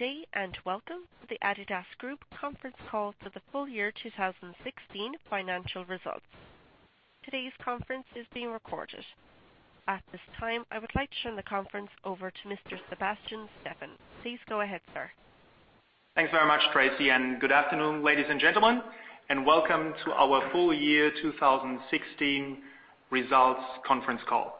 Good day, welcome to the adidas Group conference call for the full year 2016 financial results. Today's conference is being recorded. At this time, I would like to turn the conference over to Mr. Sebastian Steffen. Please go ahead, sir. Thanks very much, Tracy, good afternoon, ladies and gentlemen, welcome to our full year 2016 results conference call.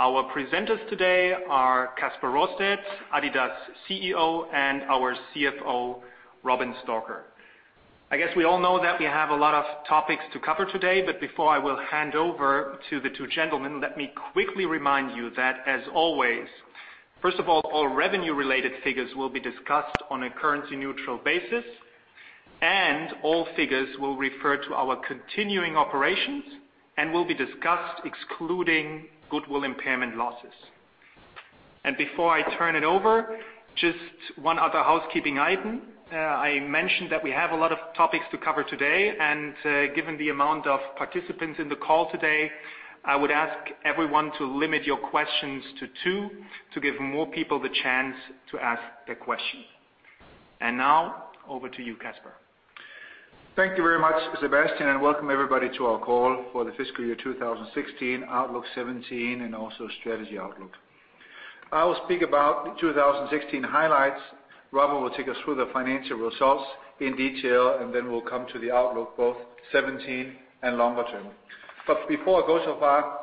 Our presenters today are Kasper Rorsted, adidas CEO, and our CFO, Robin Stalker. I guess we all know that we have a lot of topics to cover today, before I will hand over to the two gentlemen, let me quickly remind you that as always, first of all revenue related figures will be discussed on a currency neutral basis, all figures will refer to our continuing operations and will be discussed excluding goodwill impairment losses. Before I turn it over, just one other housekeeping item. I mentioned that we have a lot of topics to cover today, given the amount of participants in the call today, I would ask everyone to limit your questions to two to give more people the chance to ask their question. Now over to you, Kasper. Thank you very much, Sebastian, welcome everybody to our call for the fiscal year 2016, outlook 2017, also strategy outlook. I will speak about the 2016 highlights. Robin will take us through the financial results in detail, then we'll come to the outlook, both 2017 and longer term. Before I go so far,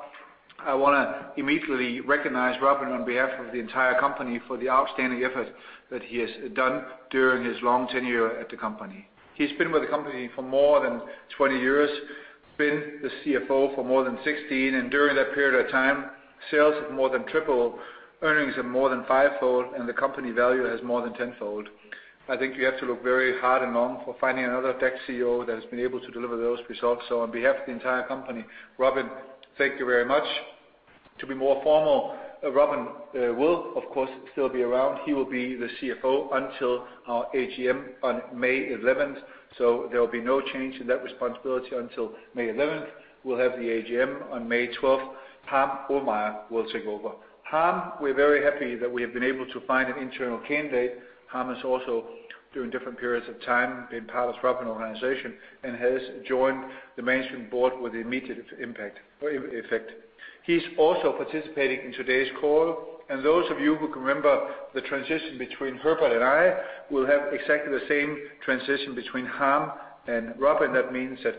I want to immediately recognize Robin on behalf of the entire company for the outstanding effort that he has done during his long tenure at the company. He's been with the company for more than 20 years, been the CFO for more than 16, during that period of time, sales have more than tripled, earnings have more than fivefold, the company value has more than tenfold. I think we have to look very hard and long for finding another tech CEO that has been able to deliver those results. On behalf of the entire company, Robin, thank you very much. To be more formal, Robin will, of course, still be around. He will be the CFO until our AGM on May 11th. There will be no change in that responsibility until May 11th. We'll have the AGM on May 12th. Harm Ohlmeyer will take over. Harm, we're very happy that we have been able to find an internal candidate. Harm is also, during different periods of time, been part of Robin's organization and has joined the management board with immediate effect. He's also participating in today's call, and those of you who can remember the transition between Herbert and I will have exactly the same transition between Harm and Robin. That means that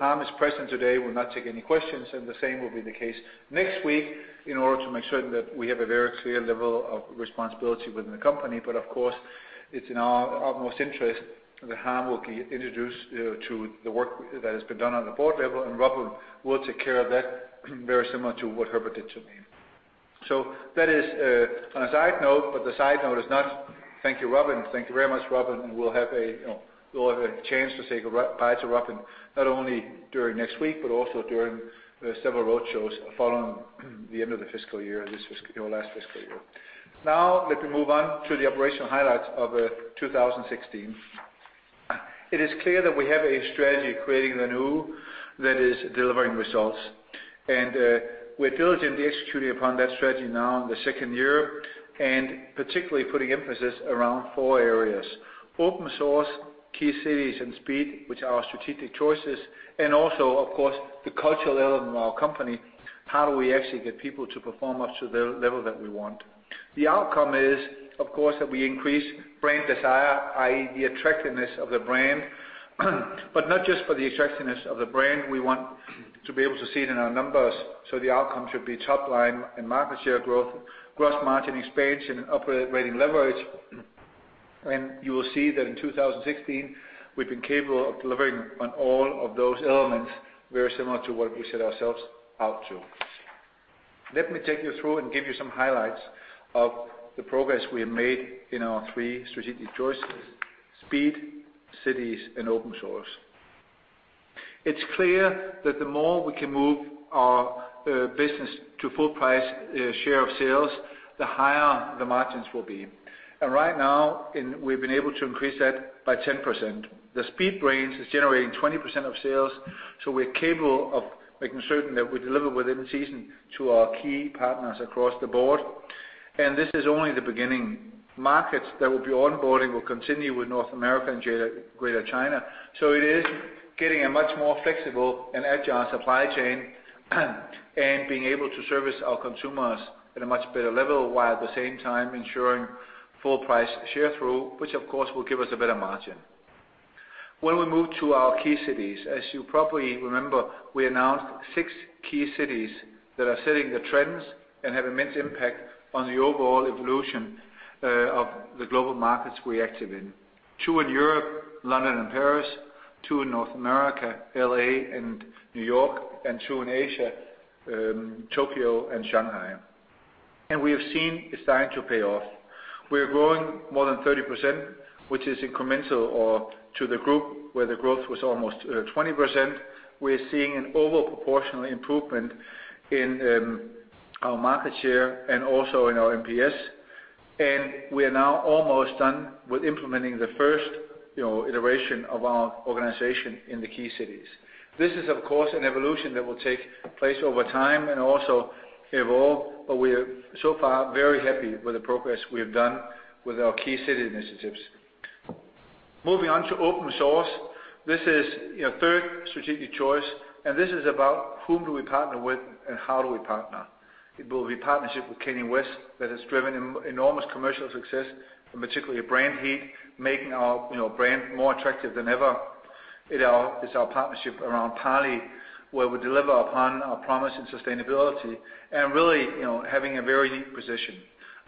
Harm is present today, will not take any questions, and the same will be the case next week in order to make certain that we have a very clear level of responsibility within the company. Of course, it's in our utmost interest that Harm will be introduced to the work that has been done on the board level, and Robin will take care of that very similar to what Herbert did to me. That is on a side note, but the side note is not thank you, Robin. Thank you very much, Robin. We'll have a chance to say goodbye to Robin, not only during next week, but also during several road shows following the end of the fiscal year, this fiscal or last fiscal year. Let me move on to the operational highlights of 2016. It is clear that we have a strategy, Creating the New, that is delivering results. We're diligently executing upon that strategy now in the second year, particularly putting emphasis around four areas, Open Source, key cities, and speed, which are our strategic choices, also, of course, the cultural element of our company. How do we actually get people to perform up to the level that we want? The outcome is, of course, that we increase brand desire, i.e., the attractiveness of the brand. Not just for the attractiveness of the brand. We want to be able to see it in our numbers, the outcome should be top line and market share growth, gross margin expansion, and operating leverage. You will see that in 2016, we've been capable of delivering on all of those elements, very similar to what we set ourselves out to. Let me take you through and give you some highlights of the progress we have made in our three strategic choices, speed, cities, and Open Source. It's clear that the more we can move our business to full price share of sales, the higher the margins will be. Right now, we've been able to increase that by 10%. The speed range is generating 20% of sales. We're capable of making certain that we deliver within season to our key partners across the board. This is only the beginning. Markets that will be onboarding will continue with North America and Greater China. It is getting a much more flexible and agile supply chain and being able to service our consumers at a much better level, while at the same time ensuring full price share through, which, of course, will give us a better margin. When we move to our key cities, as you probably remember, we announced six key cities that are setting the trends and have immense impact on the overall evolution of the global markets we're active in. Two in Europe, London and Paris, two in North America, L.A. and New York, and two in Asia, Tokyo and Shanghai. We have seen it's starting to pay off. We're growing more than 30%, which is incremental to the group where the growth was almost 20%. We're seeing an over proportional improvement in our market share and also in our NPS. We are now almost done with implementing the first iteration of our organization in the key cities. This is, of course, an evolution that will take place over time and also evolve, but we are so far very happy with the progress we have done with our key city initiatives. Moving on to Open Source. This is third strategic choice, and this is about whom do we partner with and how do we partner. It will be partnership with Kanye West that has driven enormous commercial success, and particularly brand heat, making our brand more attractive than ever. It's our partnership around Parley, where we deliver upon our promise in sustainability and really, having a very unique position.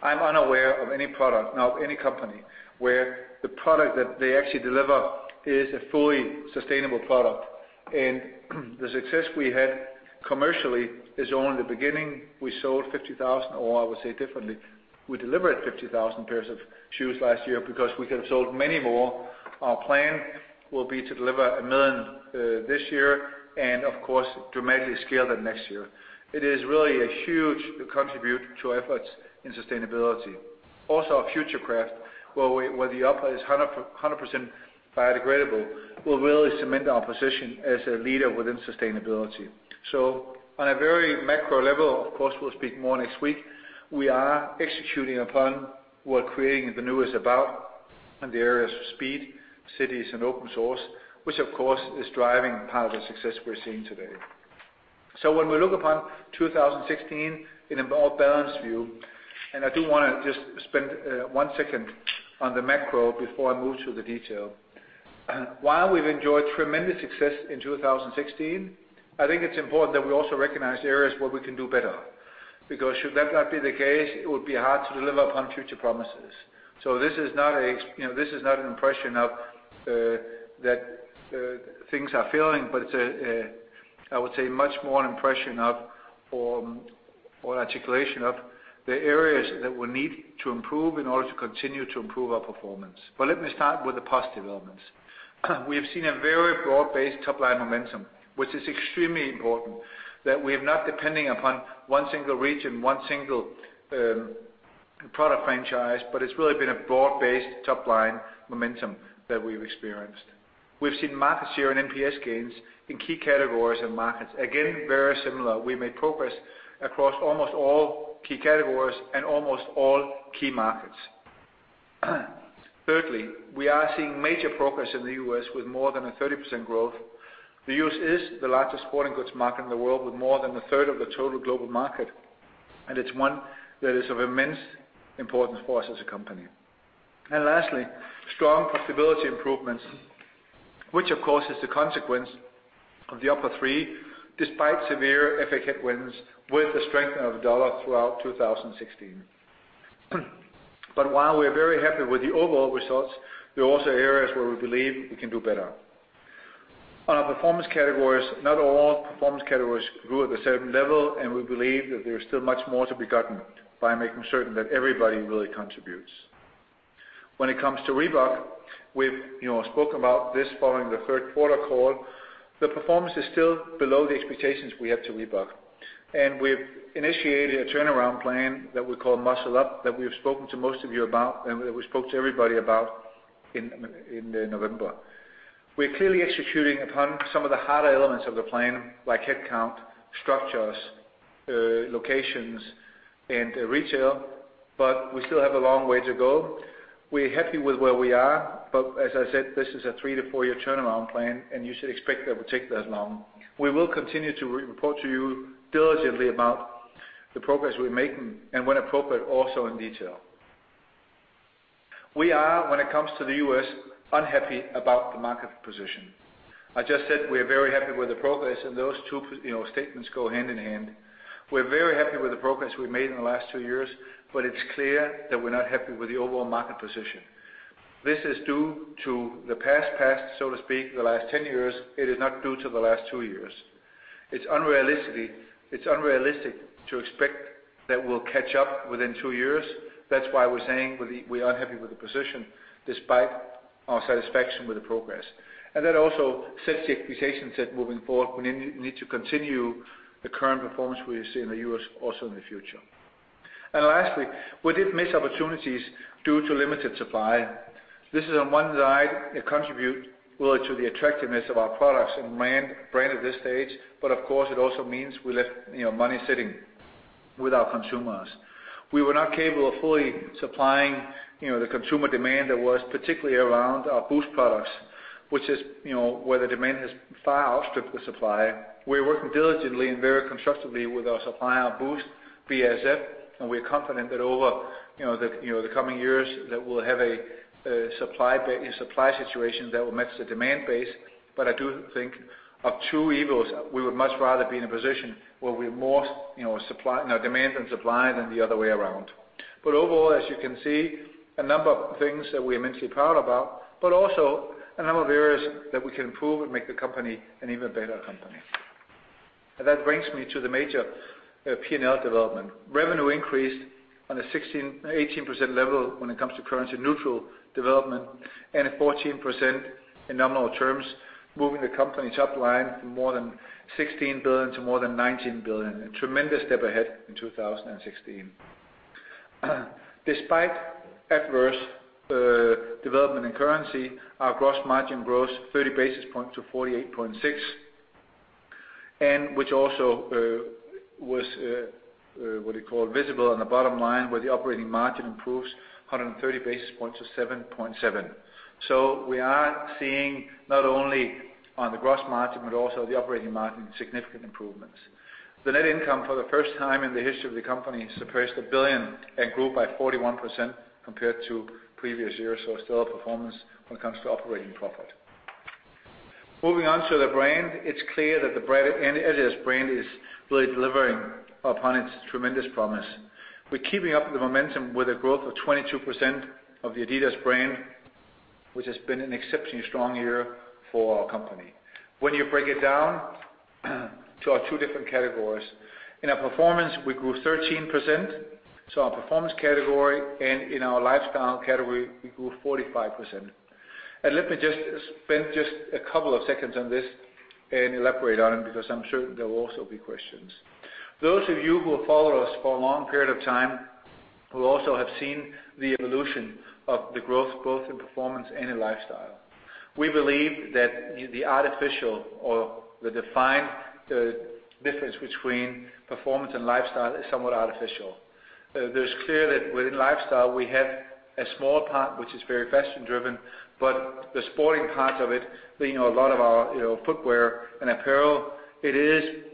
I'm unaware of any product, now of any company, where the product that they actually deliver is a fully sustainable product. The success we had commercially is only the beginning. We sold 50,000, or I would say differently, we delivered 50,000 pairs of shoes last year because we could have sold many more. Our plan will be to deliver 1 million this year and of course, dramatically scale that next year. It is really a huge contribute to efforts in sustainability. Also our Futurecraft, where the upper is 100% biodegradable, will really cement our position as a leader within sustainability. On a very macro level, of course, we'll speak more next week, we are executing upon what Creating the New is about in the areas of speed, cities, and Open Source, which of course, is driving part of the success we're seeing today. When we look upon 2016 in a more balanced view, and I do want to just spend one second on the macro before I move to the detail. While we've enjoyed tremendous success in 2016, I think it's important that we also recognize areas where we can do better, because should that not be the case, it would be hard to deliver upon future promises. This is not an impression of that things are failing, but it's a, I would say, much more an impression of or articulation of the areas that we need to improve in order to continue to improve our performance. Let me start with the positive elements. We have seen a very broad-based top-line momentum, which is extremely important, that we are not depending upon one single region, one single product franchise, but it's really been a broad-based top line momentum that we've experienced. We've seen market share and NPS gains in key categories and markets. Again, very similar. We made progress across almost all key categories and almost all key markets. Thirdly, we are seeing major progress in the U.S. with more than a 30% growth. The U.S. is the largest sporting goods market in the world with more than a third of the total global market, it's one that is of immense importance for us as a company. Lastly, strong profitability improvements, which of course, is the consequence of the upper three, despite severe FX headwinds with the strengthening of the dollar throughout 2016. While we're very happy with the overall results, there are also areas where we believe we can do better. On our performance categories, not all performance categories grew at the same level, and we believe that there is still much more to be gotten by making certain that everybody really contributes. When it comes to Reebok, we've spoken about this following the third quarter call. The performance is still below the expectations we have to Reebok. We've initiated a turnaround plan that we call Muscle Up that we have spoken to most of you about, and that we spoke to everybody about in November. We're clearly executing upon some of the harder elements of the plan, like headcount, structures, locations, and retail, we still have a long way to go. We're happy with where we are, as I said, this is a three to four year turnaround plan, and you should expect that it will take that long. We will continue to report to you diligently about the progress we're making and when appropriate, also in detail. We are, when it comes to the U.S., unhappy about the market position. I just said we're very happy with the progress and those two statements go hand in hand. We're very happy with the progress we've made in the last two years, it's clear that we're not happy with the overall market position. This is due to the past, so to speak, the last 10 years. It is not due to the last two years. It's unrealistic to expect that we'll catch up within two years. That's why we're saying we're unhappy with the position despite our satisfaction with the progress. That also sets the expectations that moving forward, we need to continue the current performance we see in the U.S. also in the future. Lastly, we did miss opportunities due to limited supply. This is on one side, a contribute really to the attractiveness of our products and brand at this stage. Of course, it also means we left money sitting with our consumers. We were not capable of fully supplying the consumer demand that was particularly around our Boost products, which is where the demand has far outstripped the supply. We're working diligently and very constructively with our supplier on Boost, BASF, we're confident that over the coming years, that we'll have a supply situation that will match the demand base. I do think of two evils, we would much rather be in a position where we're more demand than supply than the other way around. Overall, as you can see, a number of things that we're immensely proud about, but also a number of areas that we can improve and make the company an even better company. That brings me to the major P&L development. Revenue increased on an 18% level when it comes to currency neutral development and a 14% in nominal terms, moving the company's top line from more than 16 billion to more than 19 billion, a tremendous step ahead in 2016. Despite adverse development in currency, our gross margin grows 30 basis points to 48.6%. Which also was visible on the bottom line, where the operating margin improves 130 basis points to 7.7%. We are seeing not only on the gross margin, but also the operating margin, significant improvements. The net income for the first time in the history of the company surpassed 1 billion and grew by 41% compared to previous years. Still a performance when it comes to operating profit. Moving on to the brand, it's clear that the adidas brand is really delivering upon its tremendous promise. We're keeping up the momentum with a growth of 22% of the adidas brand, which has been an exceptionally strong year for our company. When you break it down to our two different categories, in our performance, we grew 13%, our performance category and in our lifestyle category, we grew 45%. Let me just spend just a couple of seconds on this and elaborate on it, because I'm sure there will also be questions. Those of you who have followed us for a long period of time, who also have seen the evolution of the growth both in performance and in lifestyle. We believe that the artificial or the defined difference between performance and lifestyle is somewhat artificial. It's clear that within lifestyle we have a small part, which is very fashion driven, but the sporting part of it, a lot of our footwear and apparel, it is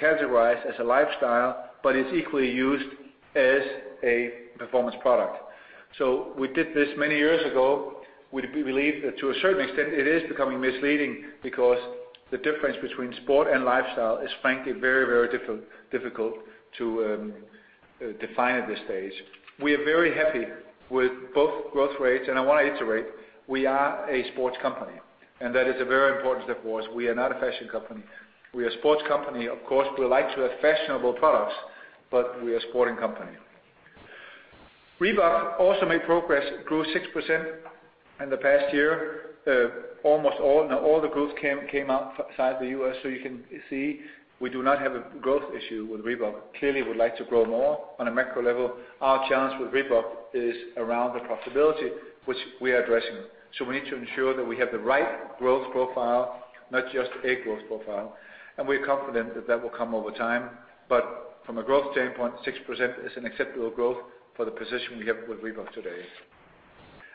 categorized as a lifestyle, but it's equally used as a performance product. We did this many years ago. We believe that to a certain extent it is becoming misleading because the difference between sport and lifestyle is frankly, very difficult to define at this stage. We are very happy with both growth rates, I want to iterate, we are a sports company, that is a very important step for us. We are not a fashion company. We are a sports company. Of course, we like to have fashionable products, but we are a sporting company. Reebok also made progress, grew 6% in the past year. All the growth came outside the U.S. You can see we do not have a growth issue with Reebok. Clearly, we would like to grow more on a macro level. Our challenge with Reebok is around the profitability, which we are addressing. We need to ensure that we have the right growth profile, not just a growth profile, we're confident that that will come over time. From a growth standpoint, 6% is an acceptable growth for the position we have with Reebok today.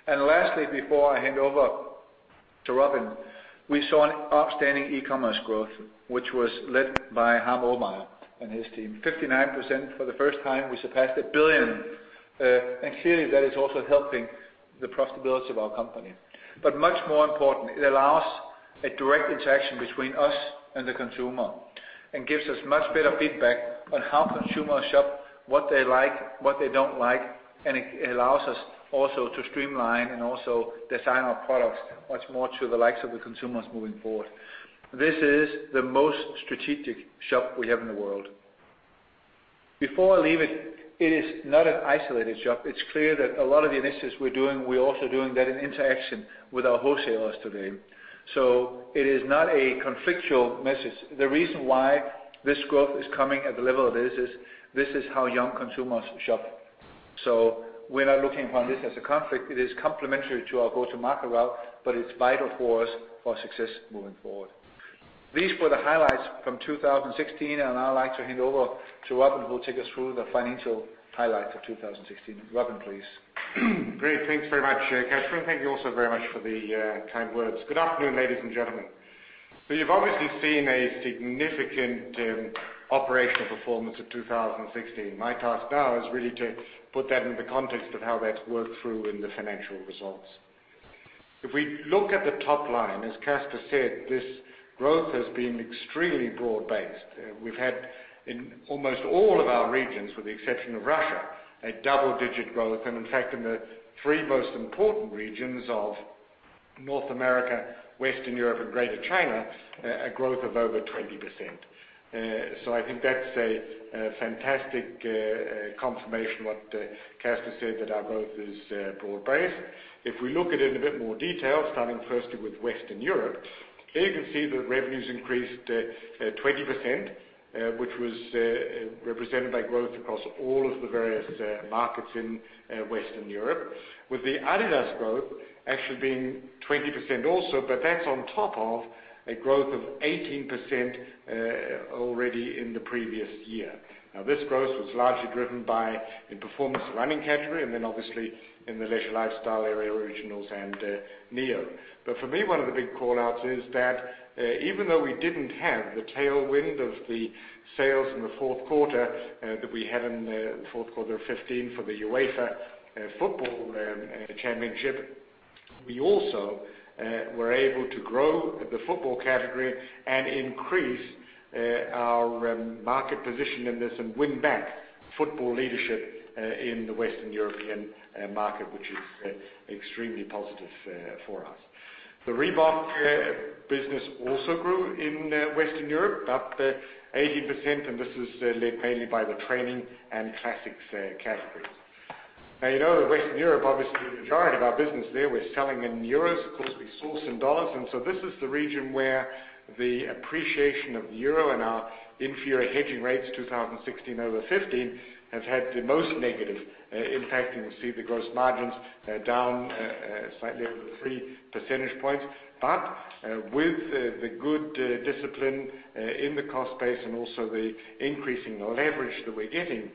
Lastly, before I hand over to Robin, we saw an outstanding e-commerce growth, which was led by Harm Ohlmeyer and his team, 59%. For the first time, we surpassed 1 billion. Clearly that is also helping the profitability of our company. Much more important, it allows a direct interaction between us and the consumer and gives us much better feedback on how consumers shop, what they like, what they do not like, and it allows us also to streamline and also design our products much more to the likes of the consumers moving forward. This is the most strategic shop we have in the world. Before I leave it is not an isolated shop. It is clear that a lot of the initiatives we are doing, we are also doing that in interaction with our wholesalers today. It is not a conflictual message. The reason why this growth is coming at the level it is, this is how young consumers shop. We are not looking upon this as a conflict. It is complementary to our go-to-market route, but it is vital for us for success moving forward. These were the highlights from 2016, and I would like to hand over to Robin, who will take us through the financial highlights of 2016. Robin, please. Great. Thanks very much, Kasper. Thank you also very much for the kind words. Good afternoon, ladies and gentlemen. You have obviously seen a significant operational performance of 2016. My task now is really to put that into context of how that has worked through in the financial results. If we look at the top line, as Kasper said, this growth has been extremely broad-based. We have had in almost all of our regions, with the exception of Russia, a double-digit growth, and in fact, in the three most important regions of North America, Western Europe, and Greater China, a growth of over 20%. I think that is a fantastic confirmation what Kasper said, that our growth is broad-based. If we look at it in a bit more detail, starting firstly with Western Europe, there you can see that revenues increased 20%, which was represented by growth across all of the various markets in Western Europe, with the adidas growth actually being 20% also, but that is on top of a growth of 18% already in the previous year. Now, this growth was largely driven by the performance running category and then obviously in the leisure lifestyle area, Originals and Neo. For me, one of the big call-outs is that even though we didn't have the tailwind of the sales in the fourth quarter, that we had in the fourth quarter of 2015 for the UEFA Football Championship, we also were able to grow the football category and increase our market position in this and win back football leadership in the Western European market, which is extremely positive for us. The Reebok business also grew in Western Europe, up 18%, and this is led mainly by the training and classics categories. You know that Western Europe, obviously, the majority of our business there, we're selling in EUR. Of course, we source in USD, and so this is the region where the appreciation of the EUR and our inferior hedging rates 2016 over 2015 have had the most negative impact. You'll see the gross margins down slightly over three percentage points. With the good discipline in the cost base and also the increasing leverage that we're getting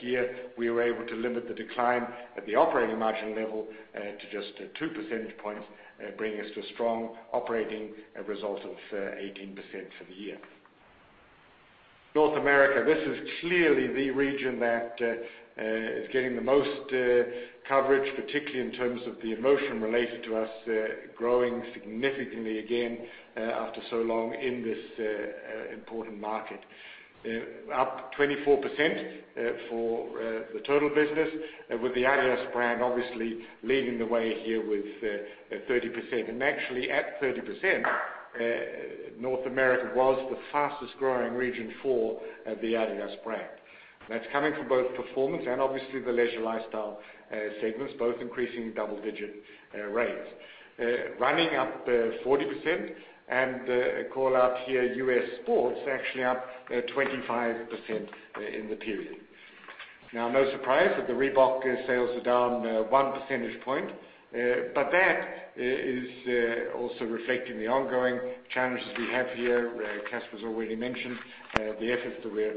here, we were able to limit the decline at the operating margin level to just two percentage points, bringing us to a strong operating result of 18% for the year. North America, this is clearly the region that is getting the most coverage, particularly in terms of the emotion related to us growing significantly again after so long in this important market. Up 24% for the total business with the adidas brand obviously leading the way here with 30%. Actually, at 30%, North America was the fastest-growing region for the adidas brand. That's coming from both Performance and obviously the Leisure Lifestyle segments, both increasing double-digit rates. Running up 40%, a call-out here, U.S. sports actually up 25% in the period. No surprise that the Reebok sales are down one percentage point. That is also reflecting the ongoing challenges we have here. Kasper's already mentioned the efforts that we're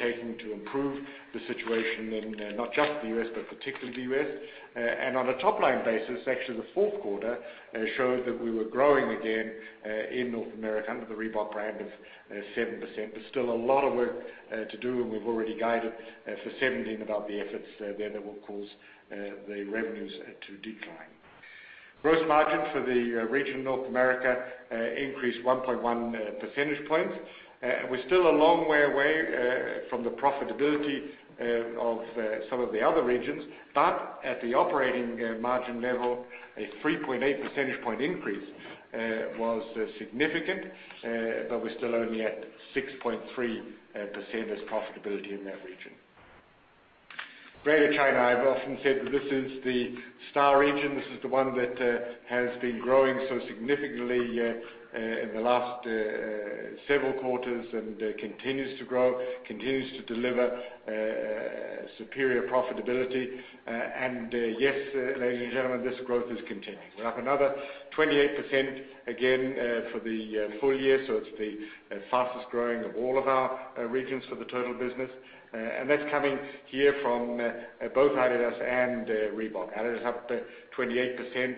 taking to improve the situation in not just the U.S., but particularly the U.S. On a top-line basis, actually the fourth quarter showed that we were growing again in North America under the Reebok brand of 7%. There's still a lot of work to do, and we've already guided for 2017 about the efforts there that will cause the revenues to decline. Gross margin for the region of North America increased 1.1 percentage points. We're still a long way away from the profitability of some of the other regions. At the operating margin level, a 3.8 percentage point increase was significant. We're still only at 6.3% as profitability in that region. Greater China, I've often said that this is the star region. This is the one that has been growing so significantly in the last several quarters and continues to grow, continues to deliver superior profitability. Yes, ladies and gentlemen, this growth is continuing. We're up another 28% again for the full year, so it's the fastest-growing of all of our regions for the total business. That's coming here from both adidas and Reebok. adidas up 28%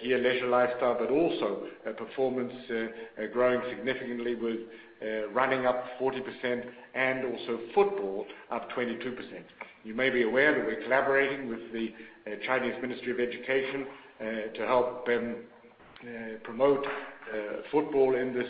here, Leisure Lifestyle, but also Performance growing significantly with Running up 40% and also Football up 22%. You may be aware that we're collaborating with the Chinese Ministry of Education to help them promote Football in this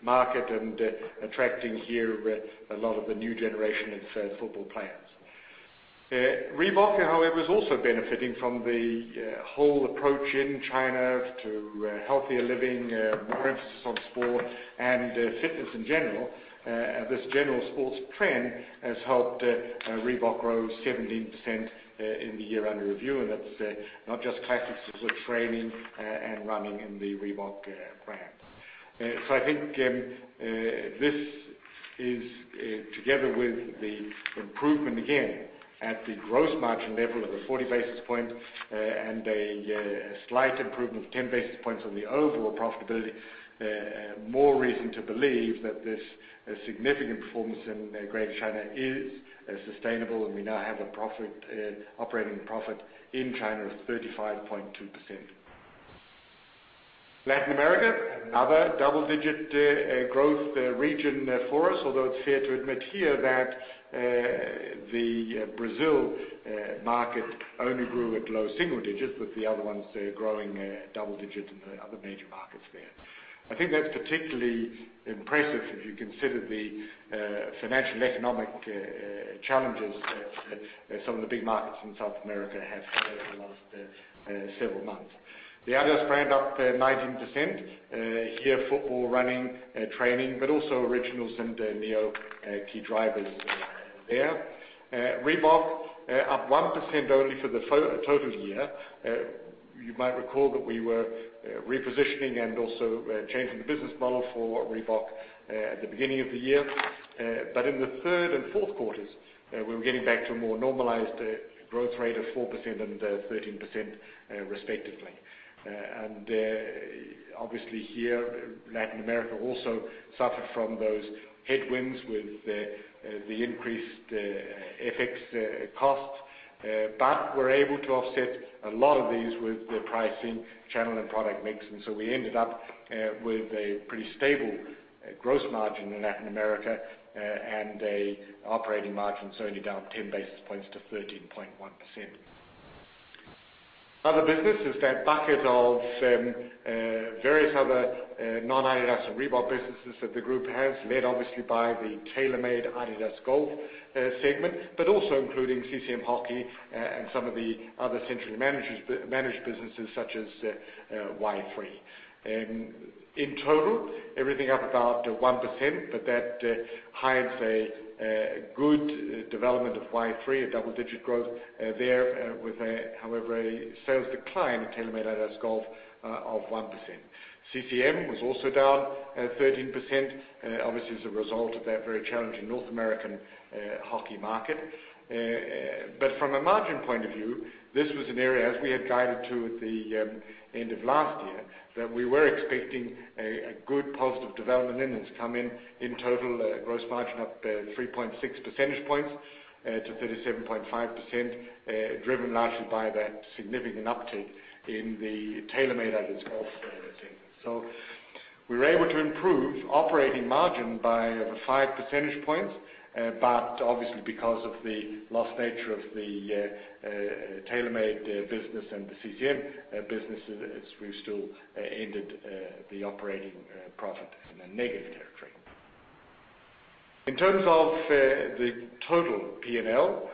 market, and attracting here a lot of the new generation of football players. Reebok, however, is also benefiting from the whole approach in China to healthier living, more emphasis on sport and fitness in general. This general sports trend has helped Reebok grow 17% in the year under review, and that's not just Classics. This is Training and Running in the Reebok brand. I think this is, together with the improvement, again, at the gross margin level of the 40 basis points and a slight improvement of 10 basis points on the overall profitability, more reason to believe that this significant performance in Greater China is sustainable, and we now have an operating profit in China of 35.2%. Latin America, another double-digit growth region for us, although it's fair to admit here that the Brazil market only grew at low single digits with the other ones growing double digits in the other major markets there. I think that's particularly impressive if you consider the financial and economic challenges that some of the big markets in South America have had over the last several months. The adidas brand up 19%. Here, Football, Running, Training, but also Originals and Neo key drivers there. Reebok up 1% only for the total year. You might recall that we were repositioning and also changing the business model for Reebok at the beginning of the year. In the third and fourth quarters, we were getting back to a more normalized growth rate of 4% and 13%, respectively. Obviously here, Latin America also suffered from those headwinds with the increased FX costs. We're able to offset a lot of these with the pricing channel and product mix, we ended up with a pretty stable gross margin in Latin America and an operating margin that's only down 10 basis points to 13.1%. Other business is that bucket of various other non-adidas and Reebok businesses that the group has, led obviously by the TaylorMade-adidas Golf segment, but also including CCM Hockey and some of the other centrally managed businesses such as Y-3. In total, everything up about 1%, but that hides a good development of Y-3, a double-digit growth there with, however, a sales decline at TaylorMade-adidas Golf of 1%. CCM was also down at 13%, obviously as a result of that very challenging North American hockey market. From a margin point of view, this was an area, as we had guided to at the end of last year, that we were expecting a good positive development, and it's come in total gross margin, up 3.6 percentage points to 37.5%, driven largely by that significant uptick in the TaylorMade-adidas Golf business. We were able to improve operating margin by five percentage points. Obviously because of the lost nature of the TaylorMade business and the CCM business, we still ended the operating profit in a negative territory. In terms of the total P&L,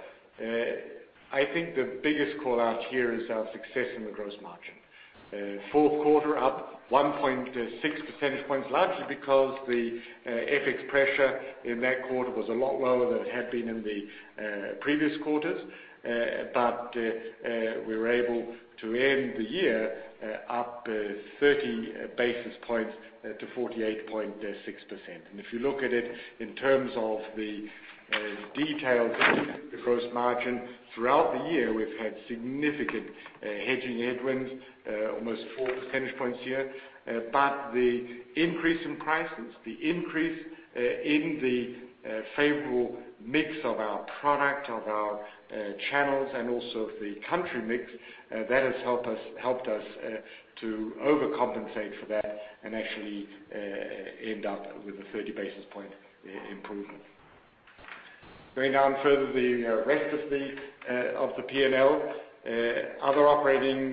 I think the biggest call-out here is our success in the gross margin. Fourth quarter up 1.6 percentage points, largely because the FX pressure in that quarter was a lot lower than it had been in the previous quarters. We were able to end the year up 30 basis points to 48.6%. If you look at it in terms of the details beneath the gross margin, throughout the year, we've had significant hedging headwinds, almost four percentage points here. The increase in prices, the increase in the favorable mix of our product, of our channels, and also of the country mix, that has helped us to overcompensate for that and actually end up with a 30 basis point improvement. Going down further, the rest of the P&L. Other operating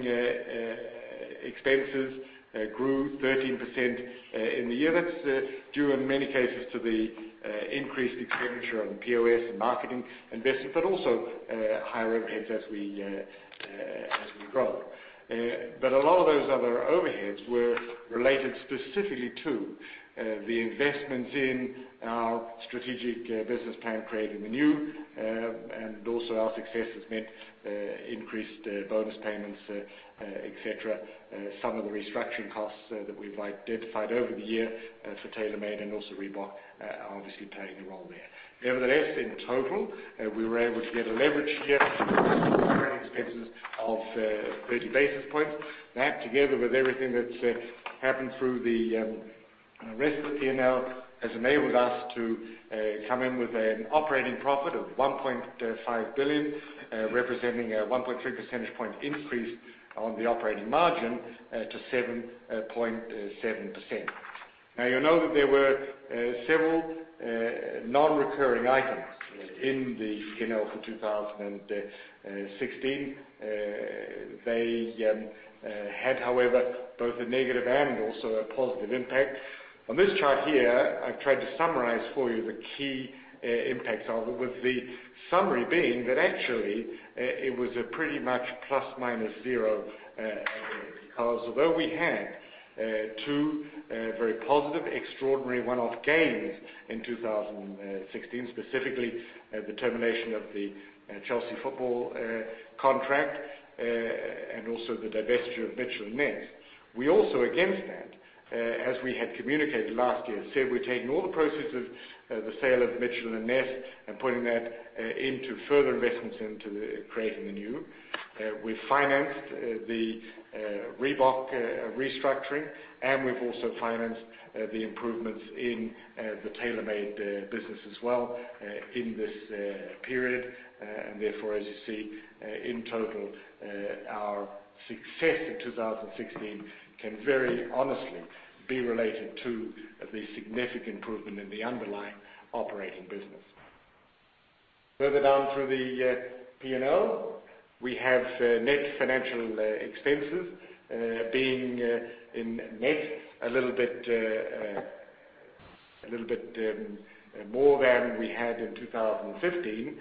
expenses grew 13% in the year. That's due in many cases to the increased expenditure on POS and marketing investments, but also higher overheads as we grow. A lot of those other overheads were related specifically to the investments in our strategic business plan, Creating the New, and also our success has meant increased bonus payments, et cetera. Some of the restructuring costs that we've identified over the year for TaylorMade and also Reebok are obviously playing a role there. Nevertheless, in total, we were able to get a leverage here operating expenses of 30 basis points. That together with everything that's happened through the rest of the P&L, has enabled us to come in with an operating profit of 1.5 billion, representing a 1.3 percentage point increase on the operating margin to 7.7%. You'll know that there were several non-recurring items in the P&L for 2016. They had, however, both a negative and also a positive impact. On this chart here, I've tried to summarize for you the key impacts of them. With the summary being that actually, it was a pretty much plus minus zero. Although we had two very positive, extraordinary one-off gains in 2016, specifically the termination of the Chelsea Football Club contract, and also the divesture of Mitchell & Ness. We also, against that, as we had communicated last year, said we're taking all the proceeds of the sale of Mitchell & Ness and putting that into further investments into Creating the New. We financed the Reebok restructuring, and we've also financed the improvements in the TaylorMade business as well in this period. Therefore, as you see, in total, our success in 2016 can very honestly be related to the significant improvement in the underlying operating business. Further down through the P&L, we have net financial expenses being, in net, a little bit more than we had in 2015.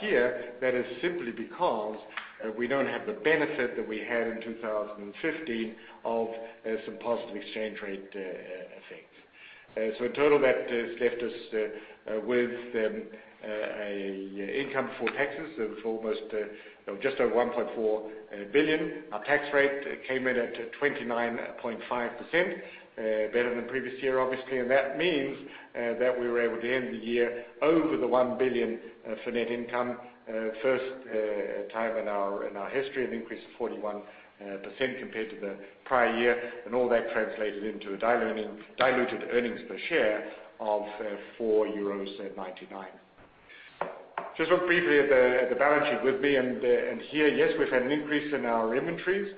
Here that is simply because we don't have the benefit that we had in 2015 of some positive exchange rate effects. In total, that has left us with an income before taxes of just over 1.4 billion. Our tax rate came in at 29.5%, better than previous year, obviously. That means that we were able to end the year over the 1 billion for net income. First time in our history, an increase of 41% compared to the prior year. All that translated into diluted earnings per share of €4.99. Just look briefly at the balance sheet with me. Here, yes, we've had an increase in our inventories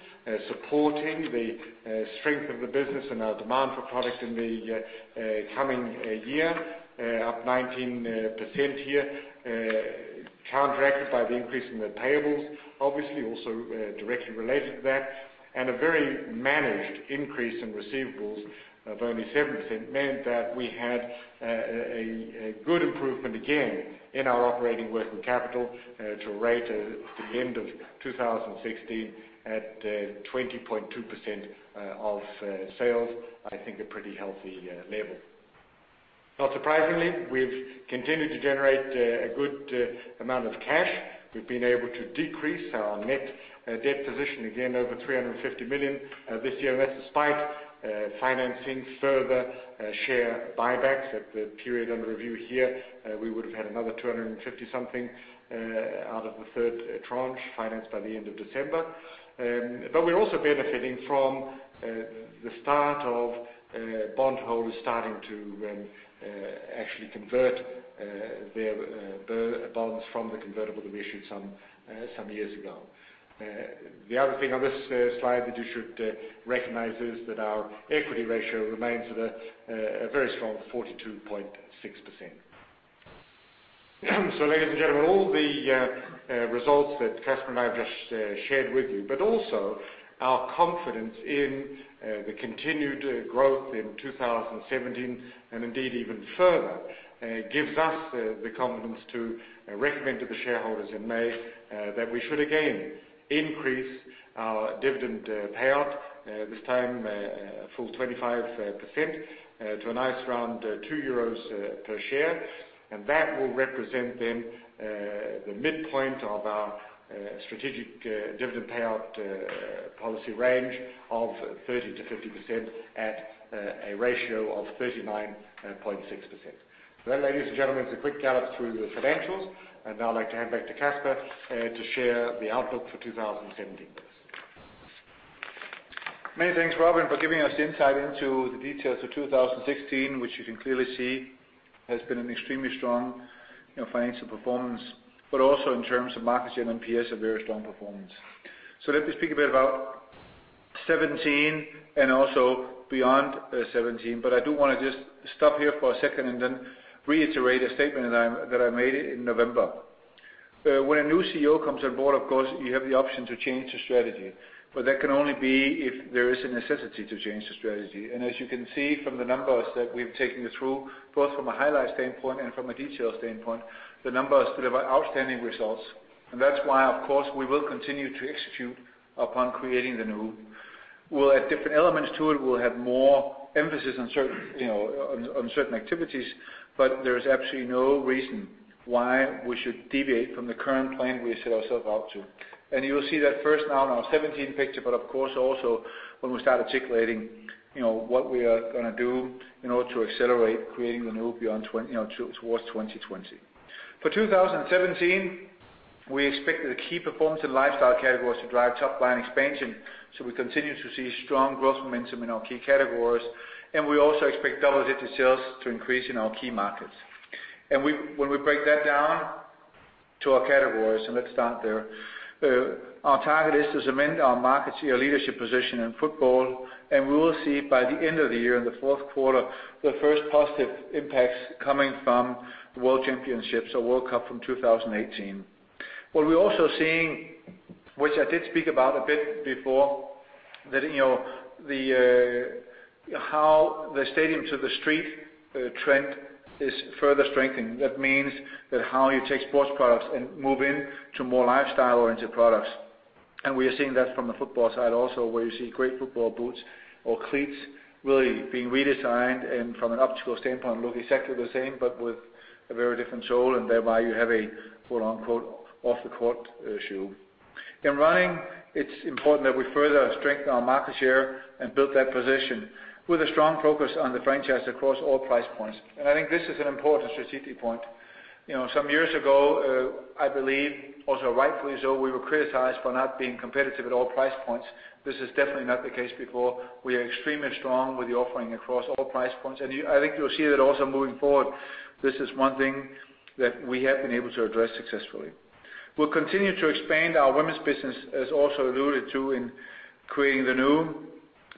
supporting the strength of the business and our demand for product in the coming year, up 19% here. Counteracted by the increase in the payables, obviously also directly related to that. A very managed increase in receivables of only 7% meant that we had a good improvement, again, in our operating working capital to rate at the end of 2016 at 20.2% of sales. I think a pretty healthy level. Not surprisingly, we've continued to generate a good amount of cash. We've been able to decrease our net debt position again over 350 million this year, and that's despite financing further share buybacks at the period under review here. We would have had another 250 something out of the third tranche financed by the end of December. We're also benefiting from the start of bondholders starting to actually convert their bonds from the convertible that we issued some years ago. The other thing on this slide that you should recognize is that our equity ratio remains at a very strong 42.6%. Ladies and gentlemen, all the results that Kasper and I have just shared with you, but also our confidence in the continued growth in 2017, and indeed even further, gives us the confidence to recommend to the shareholders in May, that we should again increase our dividend payout. This time a full 25% to a nice round 2 euros per share. That will represent then, the midpoint of our strategic dividend payout policy range of 30%-50% at a ratio of 39.6%. Ladies and gentlemen, it's a quick gallop through the financials, and now I'd like to hand back to Kasper to share the outlook for 2017. Many thanks, Robin, for giving us the insight into the details of 2016, which you can clearly see has been an extremely strong financial performance, but also in terms of market share and NPS, a very strong performance. Let me speak a bit about 2017 and also beyond 2017. I do want to just stop here for a second and then reiterate a statement that I made in November. When a new CEO comes on board, of course, you have the option to change the strategy, but that can only be if there is a necessity to change the strategy. As you can see from the numbers that we've taken you through, both from a highlight standpoint and from a detail standpoint, the numbers deliver outstanding results. That's why, of course, we will continue to execute upon Creating the New. We'll add different elements to it. We'll have more emphasis on certain activities, there is absolutely no reason why we should deviate from the current plan we set ourself out to. You will see that first now in our 2017 picture, but of course also when we start articulating what we are going to do in order to accelerate Creating the New towards 2020. For 2017, we expect the key performance in lifestyle categories to drive top-line expansion. We continue to see strong growth momentum in our key categories, and we also expect double-digit sales to increase in our key markets. When we break that down to our categories, and let's start there. Our target is to cement our market share leadership position in football, we will see by the end of the year, in the fourth quarter, the first positive impacts coming from the World Cup from 2018. What we're also seeing, which I did speak about a bit before, how the stadium to the street trend is further strengthened. That means that how you take sports products and move in to more lifestyle-oriented products. We are seeing that from the football side also, where you see great football boots or cleats really being redesigned and from an optical standpoint, look exactly the same but with a very different sole, and thereby you have a quote-unquote "off the court" shoe. In running, it's important that we further strengthen our market share and build that position with a strong focus on the franchise across all price points. I think this is an important strategic point. Some years ago, I believe also rightfully so, we were criticized for not being competitive at all price points. This is definitely not the case before. We are extremely strong with the offering across all price points, I think you'll see that also moving forward, this is one thing that we have been able to address successfully. We'll continue to expand our women's business, as also alluded to in Creating the New,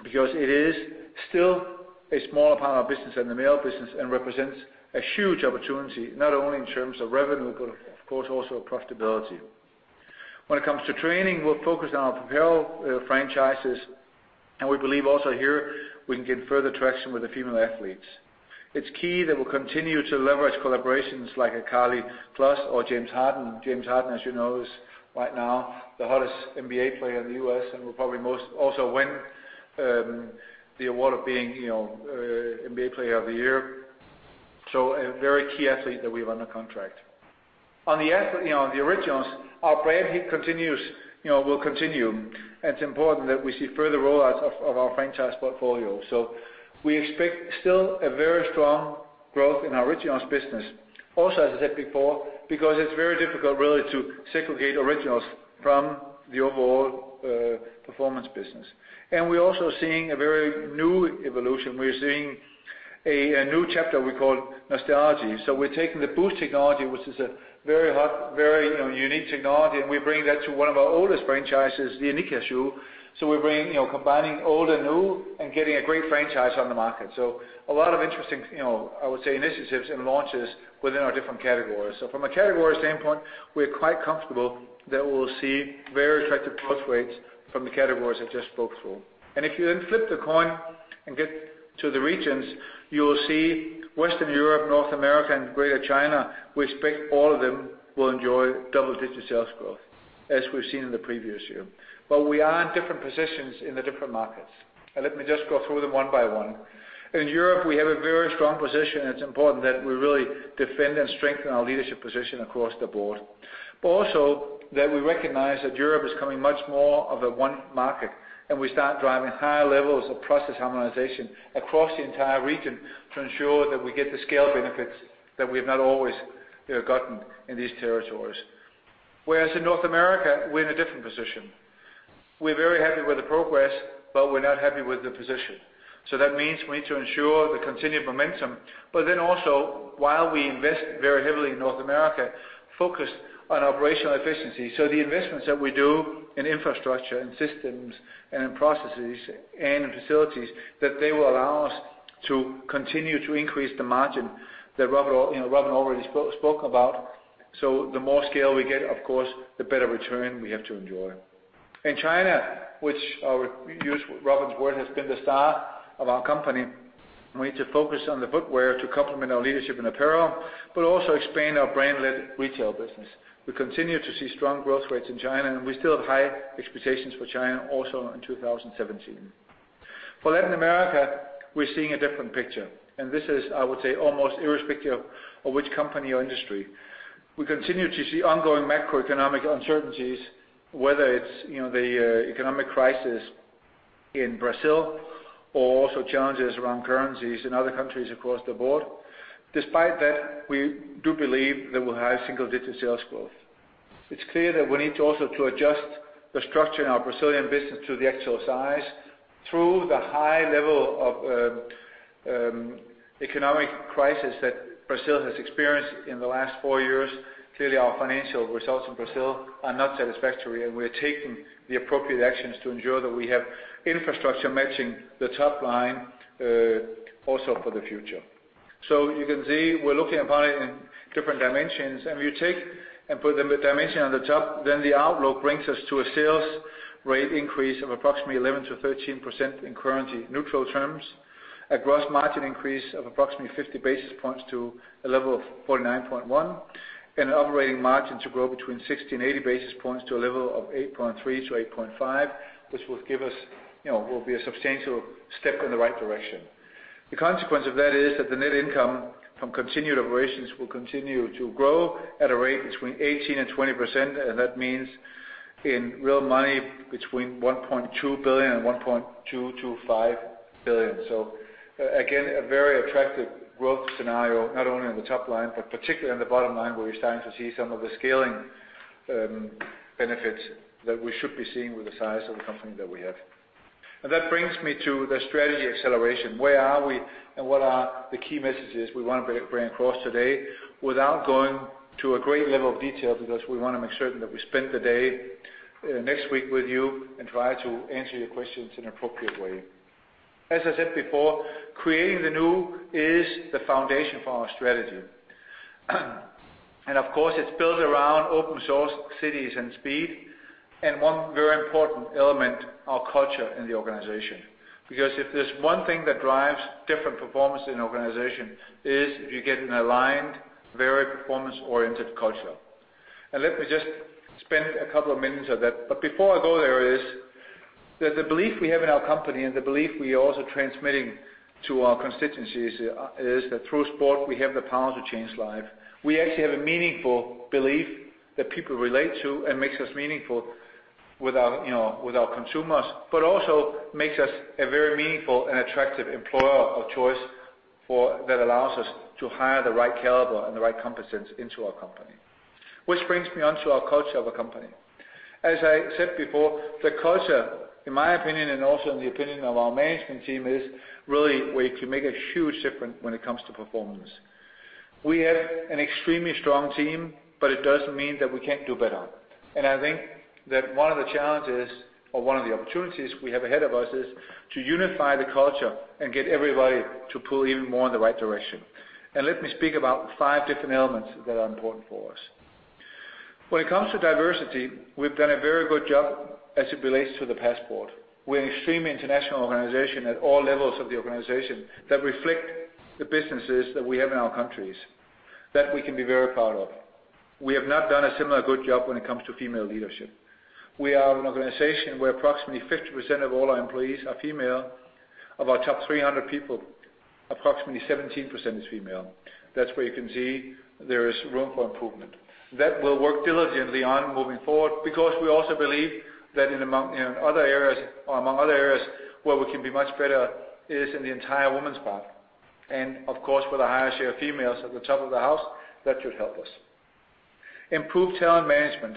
because it is still a smaller part of our business than the male business and represents a huge opportunity, not only in terms of revenue, but of course also profitability. When it comes to training, we'll focus on our apparel franchises, we believe also here we can get further traction with the female athletes. It's key that we'll continue to leverage collaborations like a Karlie Kloss or James Harden. James Harden, as you know, is right now the hottest NBA player in the U.S. and will probably most also win the award of being NBA Player of the Year. A very key athlete that we have under contract. On the Originals, our brand heat will continue, it's important that we see further rollouts of our franchise portfolio. We expect still a very strong growth in our Originals business. Also, as I said before, because it's very difficult really to segregate Originals from the overall performance business. We're also seeing a very new evolution. We're seeing a new chapter we call Nostalgia. We're taking the Boost technology, which is a very hot, very unique technology, and we're bringing that to one of our oldest franchises, the Iniki shoe. We're combining old and new and getting a great franchise on the market. A lot of interesting, I would say, initiatives and launches within our different categories. From a category standpoint, we're quite comfortable that we'll see very attractive growth rates from the categories I just spoke through. If you then flip the coin and get to the regions, you will see Western Europe, North America, and Greater China, we expect all of them will enjoy double-digit sales growth. As we've seen in the previous year, but we are in different positions in the different markets. Let me just go through them one by one. In Europe, we have a very strong position, and it's important that we really defend and strengthen our leadership position across the board, but also that we recognize that Europe is becoming much more of a one market, and we start driving higher levels of process harmonization across the entire region to ensure that we get the scale benefits that we have not always gotten in these territories. Whereas in North America, we're in a different position. We're very happy with the progress, but we're not happy with the position. That means we need to ensure the continued momentum, but then also, while we invest very heavily in North America, focus on operational efficiency. The investments that we do in infrastructure, in systems, in processes, and in facilities, that they will allow us to continue to increase the margin that Robin already spoke about. The more scale we get, of course, the better return we have to enjoy. In China, which, to use Robin's word, has been the star of our company, we need to focus on the footwear to complement our leadership in apparel, but also expand our brand-led retail business. We continue to see strong growth rates in China, and we still have high expectations for China also in 2017. For Latin America, we're seeing a different picture, and this is, I would say, almost irrespective of which company or industry. We continue to see ongoing macroeconomic uncertainties, whether it's the economic crisis in Brazil or also challenges around currencies in other countries across the board. Despite that, we do believe that we'll have single-digit sales growth. It's clear that we need also to adjust the structure in our Brazilian business to the actual size through the high level of economic crisis that Brazil has experienced in the last four years. Clearly, our financial results in Brazil are not satisfactory, and we're taking the appropriate actions to ensure that we have infrastructure matching the top line also for the future. You can see we're looking at probably in different dimensions, and if you take and put the dimension on the top, the outlook brings us to a sales rate increase of approximately 11%-13% in currency-neutral terms, a gross margin increase of approximately 50 basis points to a level of 49.1, and an operating margin to grow between 60 and 80 basis points to a level of 8.3-8.5, which will be a substantial step in the right direction. The consequence of that is that the net income from continued operations will continue to grow at a rate between 18% and 20%. That means in real money, between 1.2 billion and 1.225 billion. Again, a very attractive growth scenario, not only on the top line, but particularly on the bottom line, where we're starting to see some of the scaling benefits that we should be seeing with the size of the company that we have. That brings me to the strategy acceleration. Where are we, and what are the key messages we want to bring across today without going to a great level of detail? Because we want to make certain that we spend the day next week with you and try to answer your questions in an appropriate way. As I said before, Creating the New is the foundation for our strategy. Of course, it's built around Open Source, cities, and speed, and one very important element, our culture in the organization. Because if there's one thing that drives different performance in an organization is if you get an aligned, very performance-oriented culture. Let me just spend a couple of minutes of that. Before I go there is, that the belief we have in our company and the belief we are also transmitting to our constituencies is that through sport, we have the power to change lives. We actually have a meaningful belief that people relate to and makes us meaningful with our consumers, but also makes us a very meaningful and attractive employer of choice that allows us to hire the right caliber and the right competence into our company, which brings me onto our culture of a company. As I said before, the culture, in my opinion and also in the opinion of our management team, is really where you can make a huge difference when it comes to performance. We have an extremely strong team, but it doesn't mean that we can't do better. I think that one of the challenges or one of the opportunities we have ahead of us is to unify the culture and get everybody to pull even more in the right direction. Let me speak about five different elements that are important for us. When it comes to diversity, we've done a very good job as it relates to the passport. We're an extremely international organization at all levels of the organization that reflect the businesses that we have in our countries that we can be very proud of. We have not done a similarly good job when it comes to female leadership. We are an organization where approximately 50% of all our employees are female. Of our top 300 people, approximately 17% is female. That's where you can see there is room for improvement. That we'll work diligently on moving forward because we also believe that among other areas where we can be much better is in the entire women's path. Of course, with a higher share of females at the top of the house, that should help us. Improved talent management.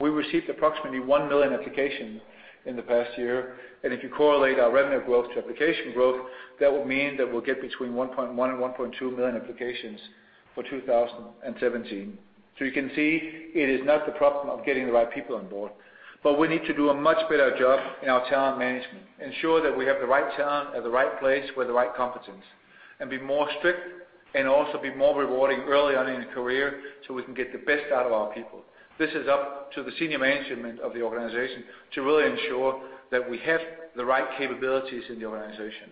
We received approximately 1 million applications in the past year, and if you correlate our revenue growth to application growth, that would mean that we'll get between 1.1 and 1.2 million applications for 2017. You can see it is not the problem of getting the right people on board, but we need to do a much better job in our talent management, ensure that we have the right talent at the right place with the right competence, and be more strict and also be more rewarding early on in the career so we can get the best out of our people. This is up to the senior management of the organization to really ensure that we have the right capabilities in the organization.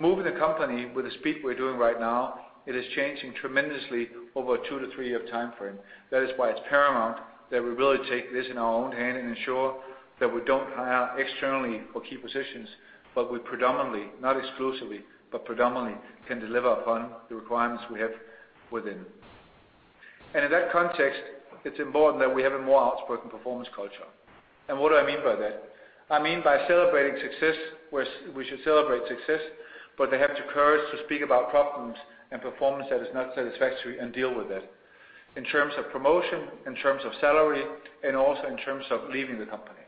Moving the company with the speed we're doing right now, it is changing tremendously over a two to three-year timeframe. That is why it's paramount that we really take this in our own hand and ensure that we don't hire externally for key positions, but we predominantly, not exclusively, but predominantly can deliver upon the requirements we have within. In that context, it's important that we have a more outspoken performance culture. What do I mean by that? I mean by celebrating success, we should celebrate success, but they have the courage to speak about problems and performance that is not satisfactory and deal with that. In terms of promotion, in terms of salary, and also in terms of leaving the company.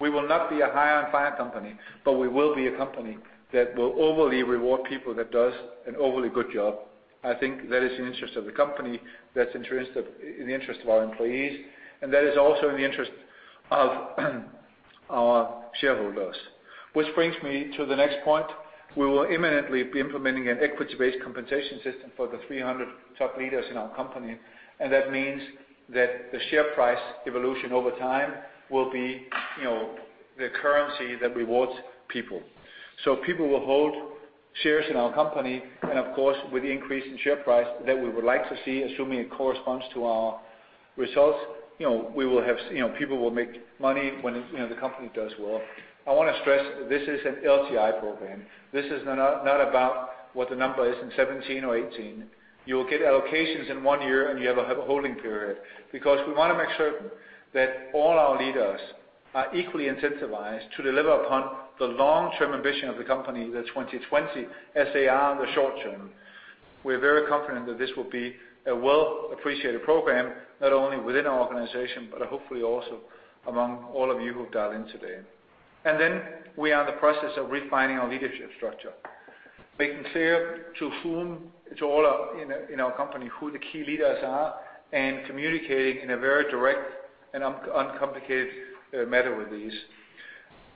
We will not be a hire and fire company, but we will be a company that will overly reward people that does an overly good job. I think that is in the interest of the company, that's in the interest of our employees, and that is also in the interest of our shareholders. Which brings me to the next point. We will imminently be implementing an equity-based compensation system for the 300 top leaders in our company, that means that the share price evolution over time will be the currency that rewards people. People will hold shares in our company, and of course, with the increase in share price that we would like to see, assuming it corresponds to our results, people will make money when the company does well. I want to stress, this is an LTI program. This is not about what the number is in 2017 or 2018. You will get allocations in one year, and you have a holding period. We want to make sure that all our leaders are equally incentivized to deliver upon the long-term ambition of the company, the 2020, as they are on the short term. We're very confident that this will be a well-appreciated program, not only within our organization, but hopefully also among all of you who've dialed in today. We are in the process of refining our leadership structure, making clear to all in our company who the key leaders are and communicating in a very direct and uncomplicated manner with these.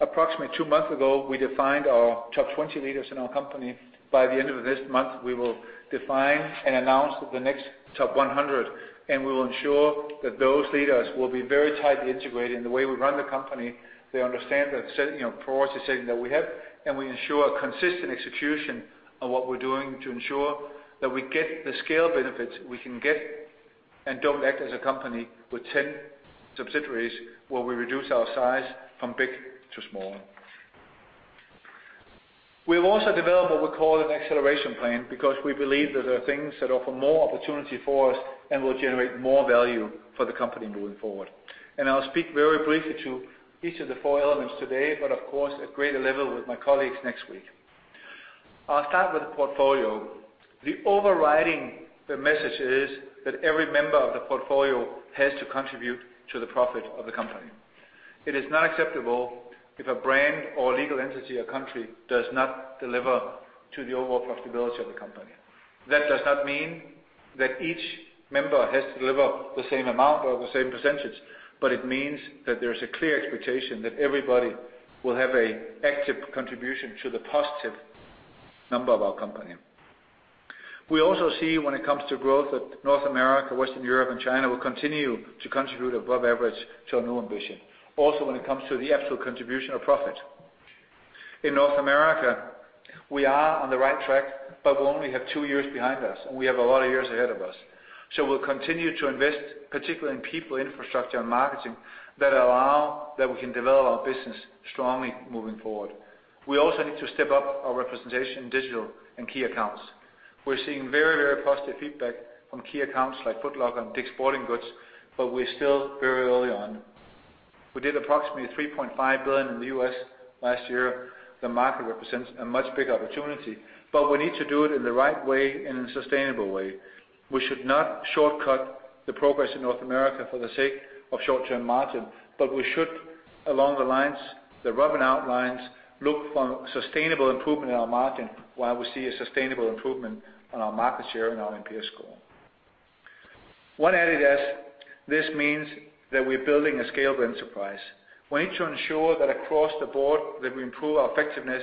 Approximately two months ago, we defined our top 20 leaders in our company. By the end of this month, we will define and announce the next top 100, and we will ensure that those leaders will be very tightly integrated in the way we run the company. They understand the process setting that we have, we ensure consistent execution on what we're doing to ensure that we get the scale benefits we can get and don't act as a company with 10 subsidiaries where we reduce our size from big to small. We've also developed what we call an acceleration plan because we believe that there are things that offer more opportunity for us and will generate more value for the company moving forward. I'll speak very briefly to each of the four elements today, but of course, at greater level with my colleagues next week. I'll start with the portfolio. The overriding message is that every member of the portfolio has to contribute to the profit of the company. It is not acceptable if a brand or legal entity or country does not deliver to the overall profitability of the company. That does not mean that each member has to deliver the same amount or the same %, but it means that there's a clear expectation that everybody will have an active contribution to the positive number of our company. We also see when it comes to growth that North America, Western Europe, and China will continue to contribute above average to our new ambition. Also, when it comes to the actual contribution of profit. In North America, we are on the right track, but we only have two years behind us, and we have a lot of years ahead of us. We'll continue to invest, particularly in people infrastructure and marketing that allow that we can develop our business strongly moving forward. We also need to step up our representation in digital and key accounts. We're seeing very positive feedback from key accounts like Foot Locker and Dick's Sporting Goods, we're still very early on. We did approximately 3.5 billion in the U.S. last year. The market represents a much bigger opportunity. We need to do it in the right way and in a sustainable way. We should not shortcut the progress in North America for the sake of short-term margin, but we should, along the lines, the rough outlines, look for sustainable improvement in our margin while we see a sustainable improvement on our market share and our NPS score. One added is, this means that we're building a scalable enterprise. We need to ensure that across the board that we improve our effectiveness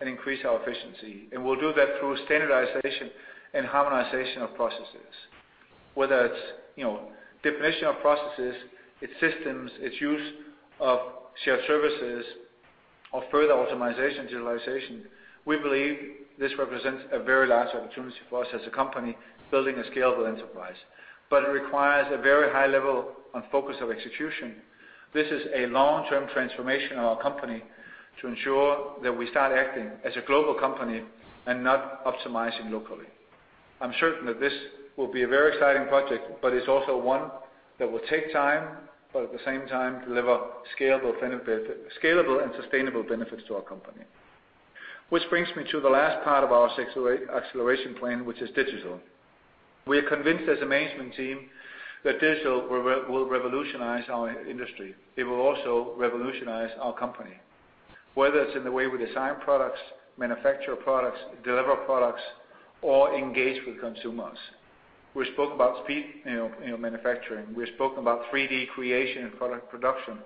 and increase our efficiency, and we'll do that through standardization and harmonization of processes. Whether it's definition of processes, it's systems, it's use of shared services or further optimization, generalization. We believe this represents a very large opportunity for us as a company, building a scalable enterprise. It requires a very high level and focus of execution. This is a long-term transformation of our company to ensure that we start acting as a global company and not optimizing locally. I'm certain that this will be a very exciting project, it's also one that will take time, at the same time deliver scalable and sustainable benefits to our company. Which brings me to the last part of our acceleration plan, which is digital. We are convinced as a management team that digital will revolutionize our industry. It will also revolutionize our company. Whether it's in the way we design products, manufacture products, deliver products, or engage with consumers. We spoke about speed in manufacturing. We spoke about 3D creation and product production.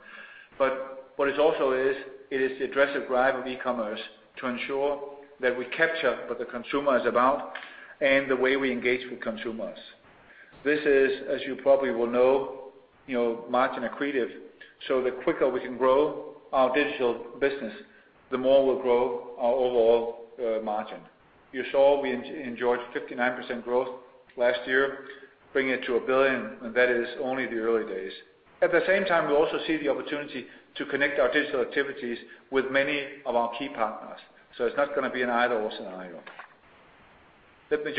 What it also is, it is the aggressive drive of e-commerce to ensure that we capture what the consumer is about and the way we engage with consumers. This is, as you probably will know, margin accretive. The quicker we can grow our digital business, the more we'll grow our overall margin. You saw we enjoyed 59% growth last year, bringing it to 1 billion, and that is only the early days. At the same time, we also see the opportunity to connect our digital activities with many of our key partners. It's not going to be an either/or scenario. Let me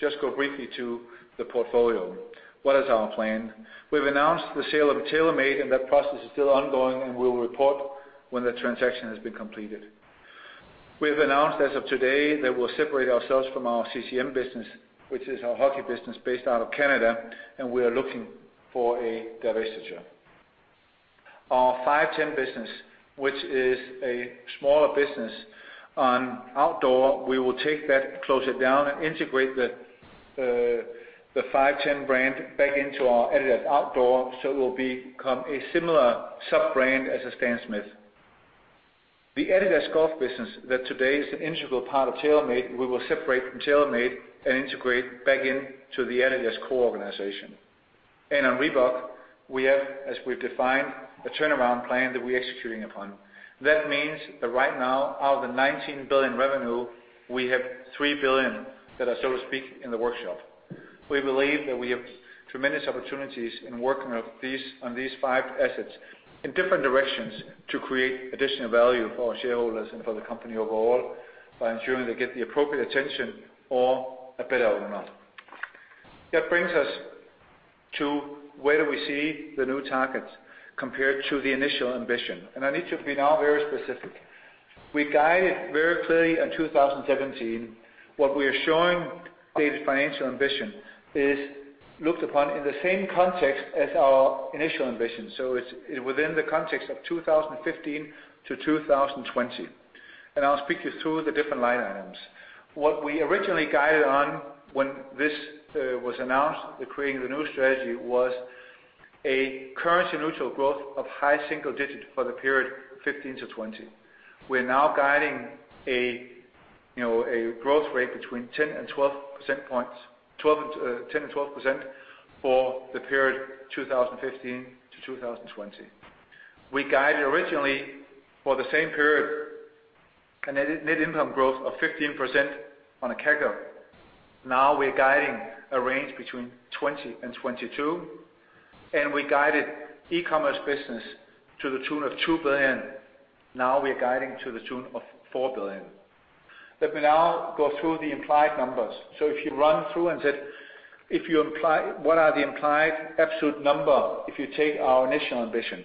just go briefly to the portfolio. What is our plan? We've announced the sale of TaylorMade, and that process is still ongoing, and we'll report when the transaction has been completed. We have announced as of today, that we'll separate ourselves from our CCM business, which is our hockey business based out of Canada, and we are looking for a divestiture. Our Five Ten business, which is a smaller business on outdoor, we will take that, close it down, and integrate the Five Ten brand back into our adidas Outdoor, so it will become a similar sub-brand as a Stan Smith. The adidas Golf business, that today is an integral part of TaylorMade, we will separate from TaylorMade and integrate back into the adidas core organization. On Reebok, we have, as we've defined, a turnaround plan that we are executing upon. That means right now, out of the 19 billion revenue, we have 3 billion that are, so to speak, in the workshop. We believe that we have tremendous opportunities in working on these five assets in different directions to create additional value for our shareholders and for the company overall, by ensuring they get the appropriate attention or a better owner. That brings us to where do we see the new targets, compared to the initial ambition. I need to be now very specific. We guided very clearly in 2017. What we are showing today as financial ambition is looked upon in the same context as our initial ambition. It's within the context of 2015 to 2020. I'll speak you through the different line items. What we originally guided on when this was announced, the Creating the New strategy, was a currency-neutral growth of high single digits for the period 2015 to 2020. We're now guiding a growth rate between 10% and 12% for the period 2015 to 2020. We guided originally for the same period, a net income growth of 15% on a CAGR. Now we're guiding a range between 20% and 22%, and we guided e-commerce business to the tune of 2 billion. Now we're guiding to the tune of 4 billion. Let me now go through the implied numbers. If you run through and said, what are the implied absolute number if you take our initial ambition?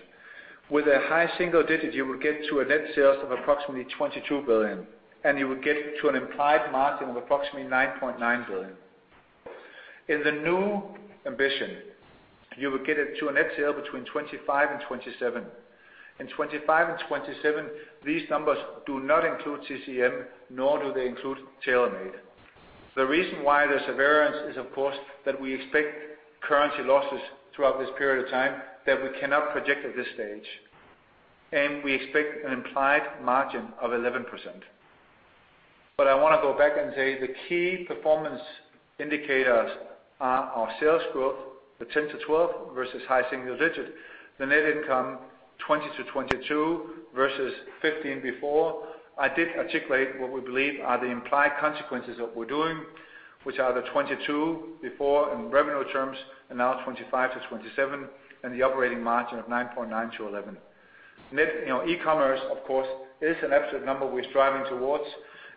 With a high single digit, you will get to a net sales of approximately 22 billion, and you will get to an implied margin of approximately 9.9%. In the new ambition, you will get it to a net sale between 25 billion and 27 billion. In 25 billion and 27 billion, these numbers do not include CCM, nor do they include TaylorMade. The reason why there's a variance is, of course, that we expect currency losses throughout this period of time that we cannot project at this stage, and we expect an implied margin of 11%. I want to go back and say the key performance indicators are our sales growth, the 10% to 12% versus high single digit. The net income, 20% to 22% versus 15% before. I did articulate what we believe are the implied consequences of what we're doing, which are the 22 billion before in revenue terms, and now 25 billion to 27 billion, and the operating margin of 9.9% to 11%. E-commerce, of course, is an absolute number we're striving towards,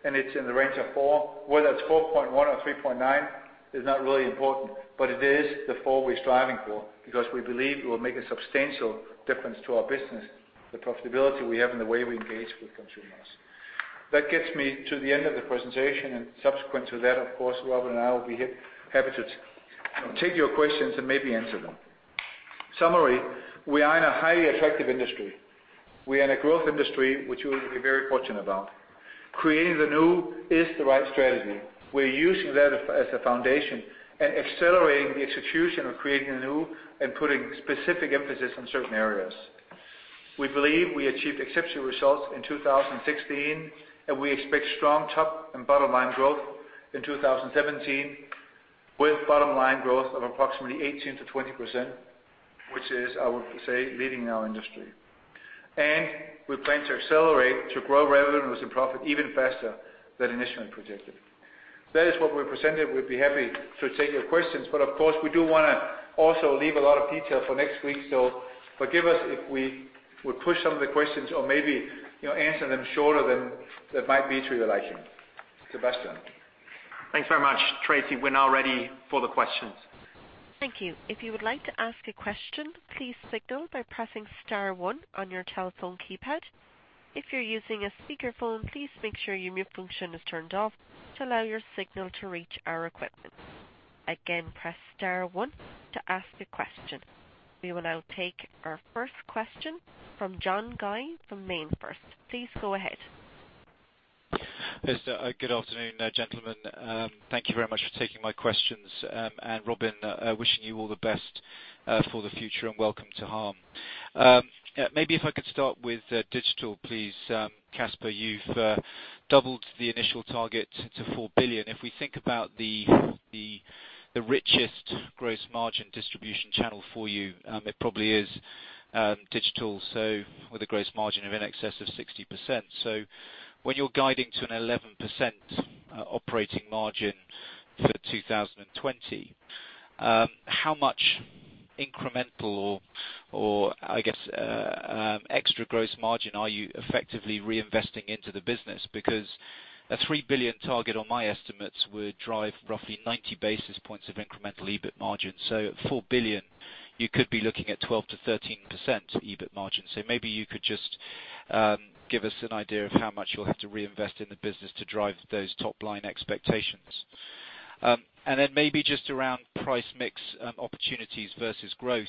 and it's in the range of 4. Whether it's 4.1 or 3.9 is not really important, but it is the 4 we're striving for, because we believe it will make a substantial difference to our business, the profitability we have and the way we engage with consumers. That gets me to the end of the presentation. Subsequent to that, of course, Robin and I will be happy to take your questions and maybe answer them. Summary. We are in a highly attractive industry. We are in a growth industry, which we will be very fortunate about. Creating the New is the right strategy. We're using that as a foundation and accelerating the execution of Creating the New and putting specific emphasis on certain areas. We believe we achieved exceptional results in 2016. We expect strong top and bottom line growth in 2017, with bottom line growth of approximately 18%-20%, which is, I would say, leading our industry. We plan to accelerate to grow revenue and profit even faster than initially projected. That is what we presented. We'd be happy to take your questions, but of course, we do want to also leave a lot of detail for next week. Forgive us if we push some of the questions or maybe answer them shorter than that might be to your liking. Sebastian? Thanks very much, Tracy. We're now ready for the questions. Thank you. If you would like to ask a question, please signal by pressing star one on your telephone keypad. If you're using a speakerphone, please make sure your mute function is turned off to allow your signal to reach our equipment. Again, press star one to ask a question. We will now take our first question from John Guy from MainFirst. Please go ahead. Good afternoon, gentlemen. Thank you very much for taking my questions. Robin, wishing you all the best for the future and welcome to Harm. Maybe if I could start with digital, please. Kasper, you've doubled the initial target to 4 billion. If we think about the richest gross margin distribution channel for you, it probably is digital, with a gross margin of in excess of 60%. When you are guiding to an 11% operating margin for 2020, how much incremental, or I guess extra gross margin are you effectively reinvesting into the business? Because a 3 billion target on my estimates would drive roughly 90 basis points of incremental EBIT margin. At 4 billion, you could be looking at 12%-13% EBIT margin. Maybe you could just give us an idea of how much you will have to reinvest in the business to drive those top-line expectations. Then maybe just around price mix opportunities versus growth.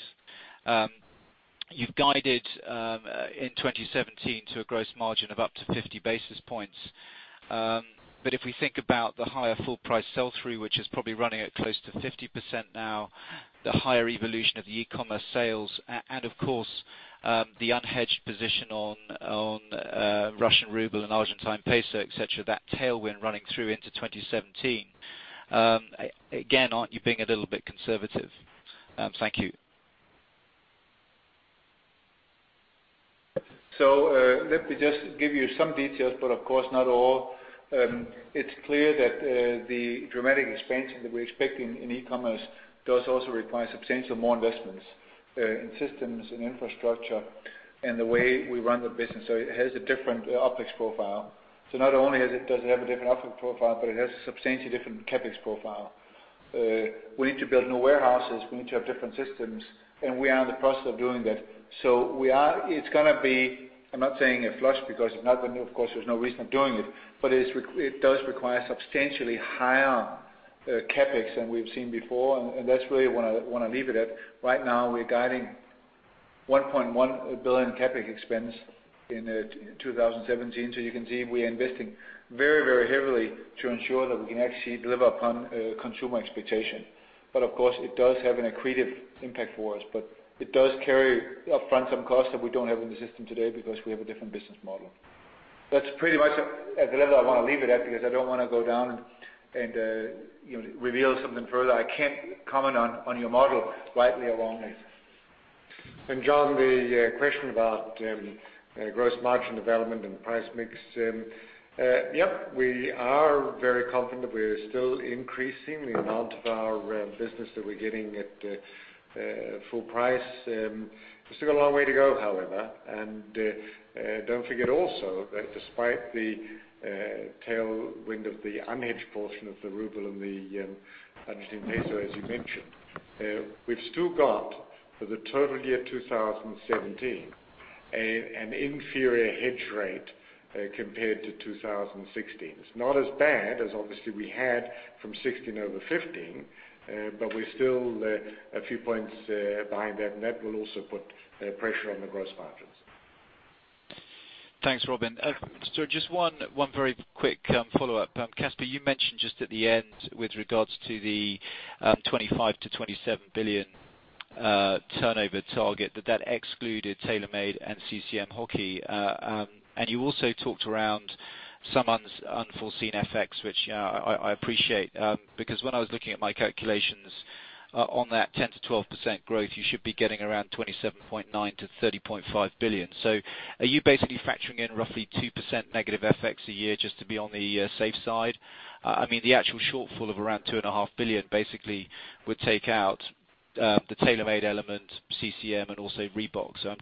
You have guided in 2017 to a gross margin of up to 50 basis points. If we think about the higher full price sell-through, which is probably running at close to 50% now, the higher evolution of the e-commerce sales, and of course, the unhedged position on Russian ruble and Argentine peso, et cetera, that tailwind running through into 2017. Aren't you being a little bit conservative? Thank you. Let me just give you some details, but of course not all. It is clear that the dramatic expansion that we are expecting in e-commerce does also require substantial more investments in systems and infrastructure and the way we run the business. It has a different OpEx profile. Not only does it have a different OpEx profile, but it has a substantially different CapEx profile. We need to build new warehouses, we need to have different systems, and we are in the process of doing that. It is going to be, I am not saying a flush because of course there is no reason of doing it, but it does require substantially higher CapEx than we have seen before, and that is really what I want to leave it at. Right now, we are guiding 1.1 billion CapEx expense in 2017. You can see we are investing very heavily to ensure that we can actually deliver upon consumer expectation. But of course, it does have an accretive impact for us. It does carry upfront some costs that we do not have in the system today because we have a different business model. That is pretty much at the level I want to leave it at because I do not want to go down and reveal something further I cannot comment on your model, rightly or wrongly. John, the question about gross margin development and price mix. Yep, we are very confident we're still increasing the amount of our business that we're getting at full price. We've still got a long way to go, however, and don't forget also that despite the tailwind of the unhedged portion of the Russian ruble and the Argentine peso, as you mentioned, we've still got for the total year 2017, an inferior hedge rate compared to 2016. It's not as bad as obviously we had from 2016 over 2015, we're still a few points behind that, and that will also put pressure on the gross margins. Thanks, Robin. Just one very quick follow-up. Kasper, you mentioned just at the end with regards to the 25 billion-27 billion turnover target, that that excluded TaylorMade and CCM Hockey. You also talked around some unforeseen FX, which I appreciate. When I was looking at my calculations on that 10%-12% growth, you should be getting around 27.9 billion-30.5 billion. Are you basically factoring in roughly 2% negative FX a year just to be on the safe side? I mean, the actual shortfall of around 2.5 billion basically would take out the TaylorMade element, CCM, and also Reebok. I'm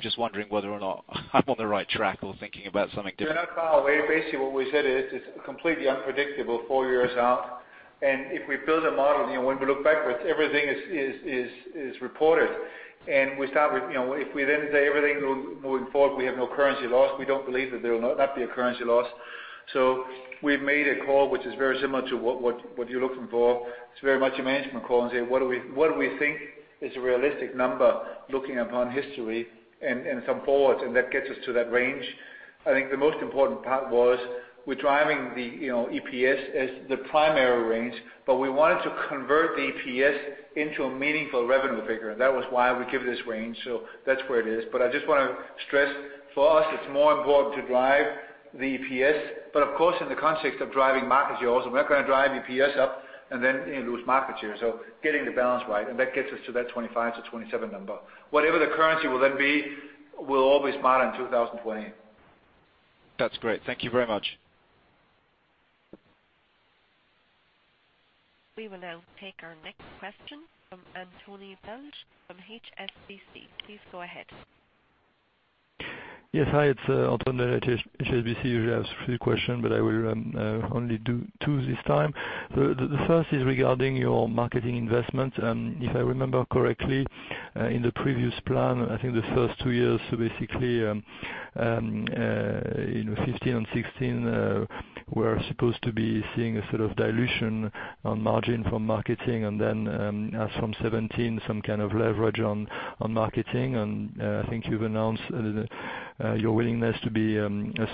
just wondering whether or not I'm on the right track or thinking about something different. No, not at all. Basically, what we said is it's completely unpredictable four years out, and if we build a model, when we look backwards, everything is reported, and if we then say everything going forward, we have no currency loss, we don't believe that there will not be a currency loss. We've made a call, which is very similar to what you're looking for. It's very much a management call and say, what do we think is a realistic number looking upon history and some forwards, and that gets us to that range. I think the most important part was we're driving the EPS as the primary range, we wanted to convert the EPS into a meaningful revenue figure, and that was why we give this range. That's where it is. I just want to stress, for us, it's more important to drive the EPS. Of course, in the context of driving market share also, we're not going to drive EPS up and then lose market share. Getting the balance right, and that gets us to that 25 billion-27 billion number. Whatever the currency will then be, will always matter in 2020. That's great. Thank you very much. We will now take our next question from Antoine Belge from HSBC. Please go ahead. Yes. Hi, it's Antoine at HSBC. I usually ask a few question, but I will only do two this time. The first is regarding your marketing investment. If I remember correctly, in the previous plan, I think the first two years, so basically in 2015 and 2016, we're supposed to be seeing a sort of dilution on margin from marketing and then, as from 2017, some kind of leverage on marketing. I think you've announced your willingness to be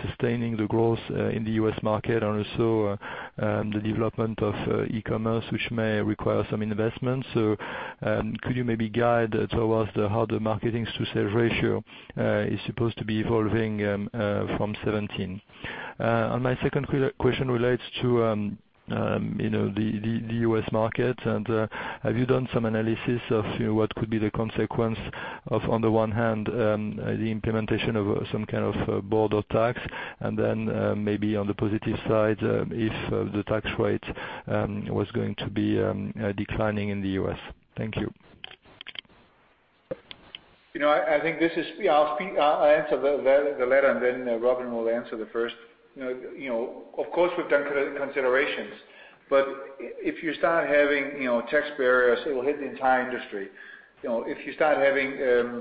sustaining the growth in the U.S. market, and also the development of e-commerce, which may require some investment. Could you maybe guide towards how the marketing-to-sales ratio is supposed to be evolving from 2017? My second question relates to the U.S. market. Have you done some analysis of what could be the consequence of, on the one hand, the implementation of some kind of border tax, and then, maybe on the positive side, if the tax rate was going to be declining in the U.S.? Thank you. I'll answer the latter, Robin will answer the first. Of course, we've done considerations, if you start having tax barriers, it will hit the entire industry. If you start having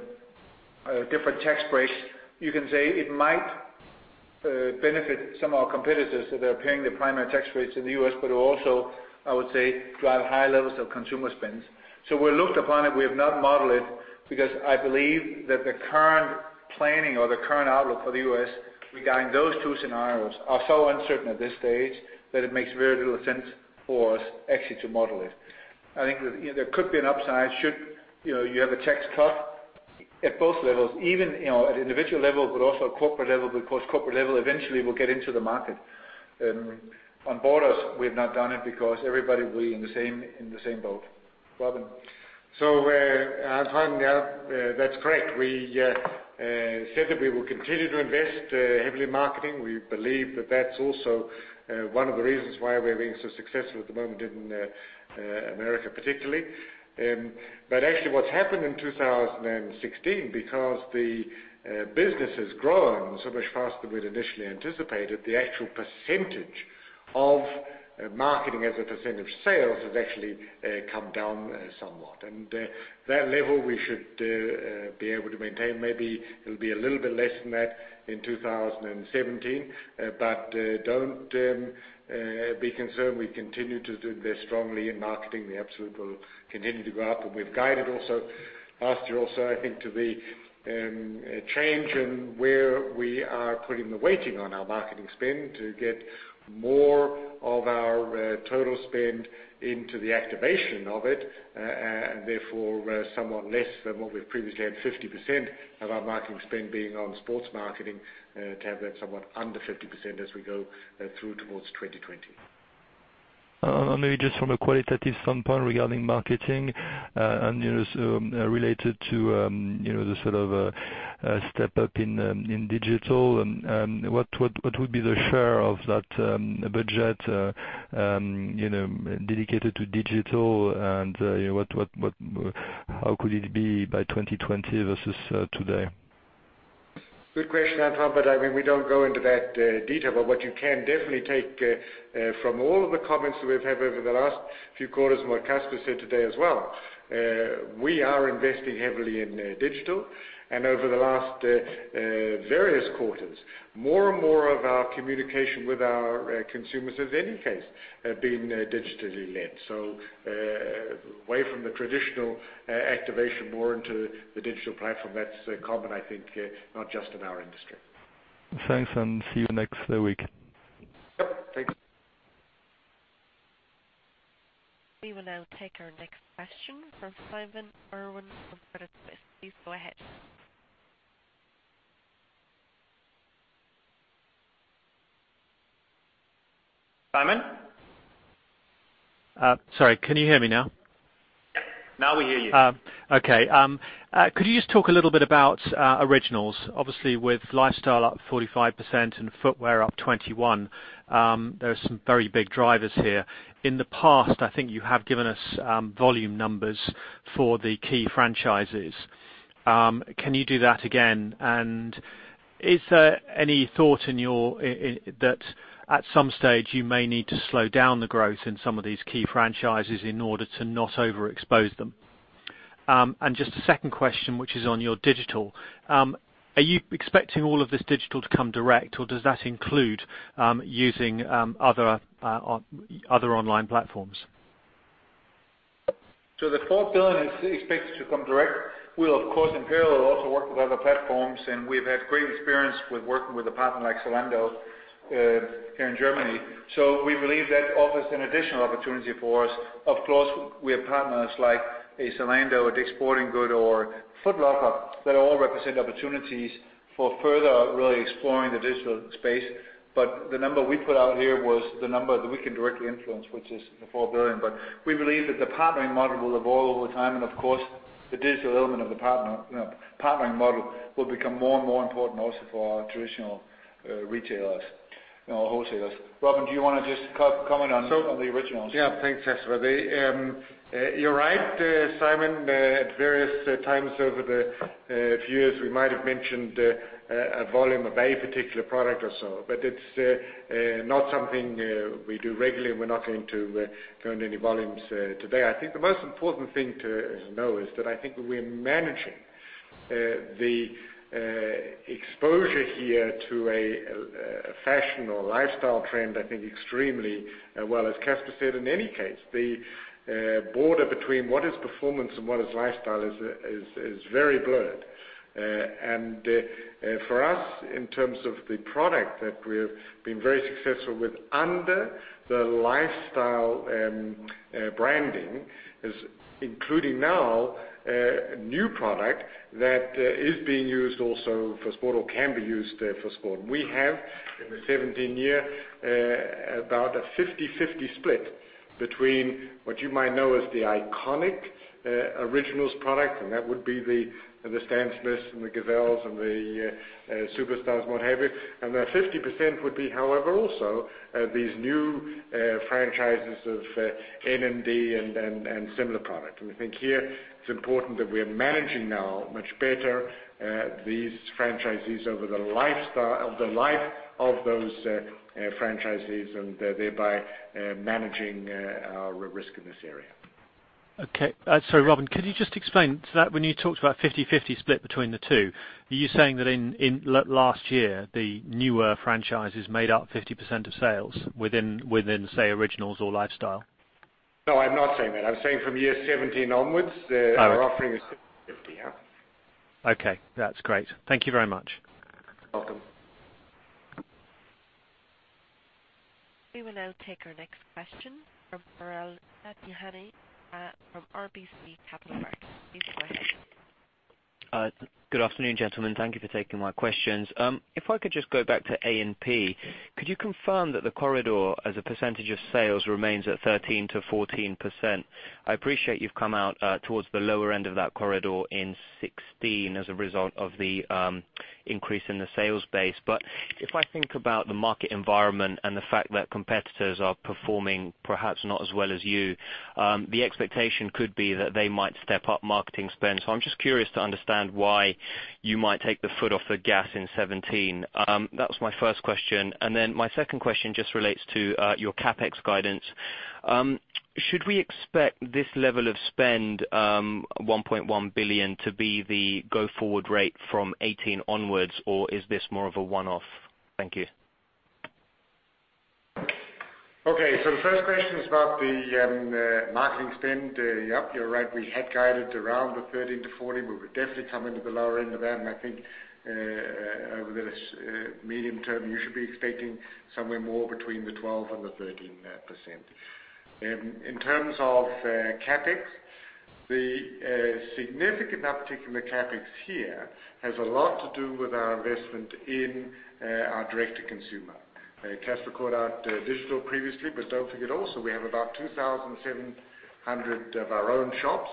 different tax breaks, you can say it might benefit some of our competitors if they're paying the primary tax rates in the U.S., it will also, I would say, drive high levels of consumer spends. We've looked upon it, we have not modeled it, because I believe that the current planning or the current outlook for the U.S. regarding those two scenarios are so uncertain at this stage that it makes very little sense for us actually to model it. I think there could be an upside should you have a tax cut at both levels. Even at individual level, also corporate level, because corporate level eventually will get into the market. On borders, we've not done it because everybody will be in the same boat. Robin. Antoine, that's correct. We said that we will continue to invest heavily in marketing. We believe that that's also one of the reasons why we're being so successful at the moment in America particularly. Actually, what's happened in 2016, because the business has grown so much faster than we'd initially anticipated, the actual percentage of marketing as a percent of sales has actually come down somewhat. That level we should be able to maintain. Maybe it'll be a little bit less than that in 2017. Don't be concerned. We continue to invest strongly in marketing. The absolute will continue to go up, we've guided also last year, I think, to the change in where we are putting the weighting on our marketing spend to get more of our total spend into the activation of it. Therefore, somewhat less than what we've previously had, 50% of our marketing spend being on sports marketing, to have that somewhat under 50% as we go through towards 2020. Maybe just from a qualitative standpoint regarding marketing, and related to the sort of step up in digital. What would be the share of that budget dedicated to digital, and how could it be by 2020 versus today? Good question, Antoine. We don't go into that detail. What you can definitely take from all of the comments that we've had over the last few quarters, and what Kasper said today as well, we are investing heavily in digital. Over the last various quarters, more and more of our communication with our consumers has in any case been digitally led. Away from the traditional activation, more into the digital platform. That's common, I think, not just in our industry. Thanks. See you next week. Yep. Thanks. We will now take our next question from Simon Irwin from Credit Suisse. Please go ahead. Simon? Sorry, can you hear me now? Yep. Now we hear you. Okay. Could you just talk a little bit about Originals? Obviously, with lifestyle up 45% and footwear up 21%, there are some very big drivers here. In the past, I think you have given us volume numbers for the key franchises. Can you do that again? Is there any thought that at some stage you may need to slow down the growth in some of these key franchises in order to not overexpose them? Just a second question, which is on your digital. Are you expecting all of this digital to come direct, or does that include using other online platforms? The EUR 4 billion is expected to come direct. We will of course, in parallel, also work with other platforms, and we've had great experience with working with a partner like Zalando here in Germany. We believe that offers an additional opportunity for us. Of course, we have partners like a Zalando, a Dick's Sporting Goods or Foot Locker that all represent opportunities for further really exploring the digital space. The number we put out here was the number that we can directly influence, which is the 4 billion. We believe that the partnering model will evolve over time, and of course, the digital element of the partnering model will become more and more important also for our traditional retailers. Wholesalers. Robin, do you want to just comment on the Originals? Yeah. Thanks, Kasper. You're right, Simon. At various times over the few years, we might have mentioned a volume of a particular product or so, but it's not something we do regularly, and we're not going to turn any volumes today. I think the most important thing to know is that I think we're managing the exposure here to a fashion or lifestyle trend, I think extremely well. As Kasper said, in any case, the border between what is performance and what is lifestyle is very blurred. For us, in terms of the product that we've been very successful with under the lifestyle branding, is including now a new product that is being used also for sport or can be used for sport. We have, in the 2017 year, about a 50/50 split between what you might know as the iconic Originals product, and that would be the Stan Smiths and the Gazelles and the Superstars, what have you. 50% would be, however, also these new franchises of NMD and similar product. I think here it's important that we are managing now much better these franchises over the life of those franchises, and thereby managing our risk in this area. Okay. Sorry, Robin, could you just explain to that when you talked about 50/50 split between the two, are you saying that in last year, the newer franchises made up 50% of sales within, say, Originals or lifestyle? No, I'm not saying that. I'm saying from year 2017 onwards. All right. Our offering is 50/50. Yeah. Okay. That's great. Thank you very much. Welcome. We will now take our next question from Piral Dadhania from RBC Capital Markets. Please go ahead. Good afternoon, gentlemen. Thank you for taking my questions. If I could just go back to A&P, could you confirm that the corridor as a % of sales remains at 13%-14%? I appreciate you've come out towards the lower end of that corridor in 2016 as a result of the increase in the sales base. If I think about the market environment and the fact that competitors are performing perhaps not as well as you, the expectation could be that they might step up marketing spend. I'm just curious to understand why you might take the foot off the gas in 2017. That was my first question, and then my second question just relates to your CapEx guidance. Should we expect this level of spend, 1.1 billion, to be the go-forward rate from 2018 onwards, or is this more of a one-off? Thank you. The first question is about the marketing spend. Yep, you're right. We had guided around the 13%-14%, we've definitely come into the lower end of that, and I think over this medium term, you should be expecting somewhere more between the 12% and 13%. In terms of CapEx, the significant uptick in the CapEx here has a lot to do with our investment in our direct-to-consumer. Kasper called out digital previously, don't forget also, we have about 2,700 of our own shops,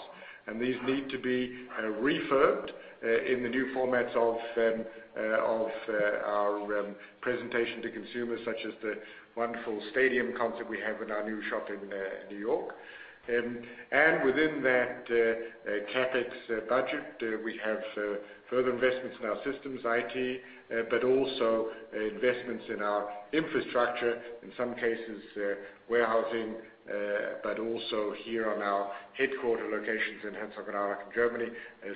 and these need to be refurbed in the new formats of our presentation to consumers, such as the wonderful stadium concept we have in our new shop in New York. Within that CapEx budget, we have further investments in our systems, IT, but also investments in our infrastructure, in some cases, warehousing, but also here on our headquarter locations in Herzogenaurach in Germany,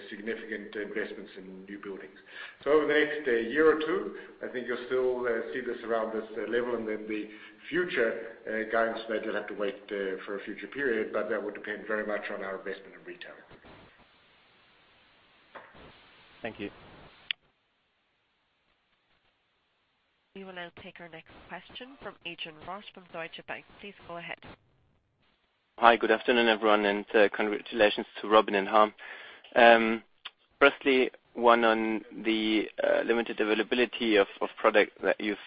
significant investments in new buildings. Over the next year or two, I think you'll still see this around this level. The future guidance that you'll have to wait for a future period, that would depend very much on our investment in retail. Thank you. We will now take our next question from Adrian Rott from Deutsche Bank. Please go ahead. Hi, good afternoon, everyone, and congratulations to Robin and Harm. Firstly, one on the limited availability of product that you've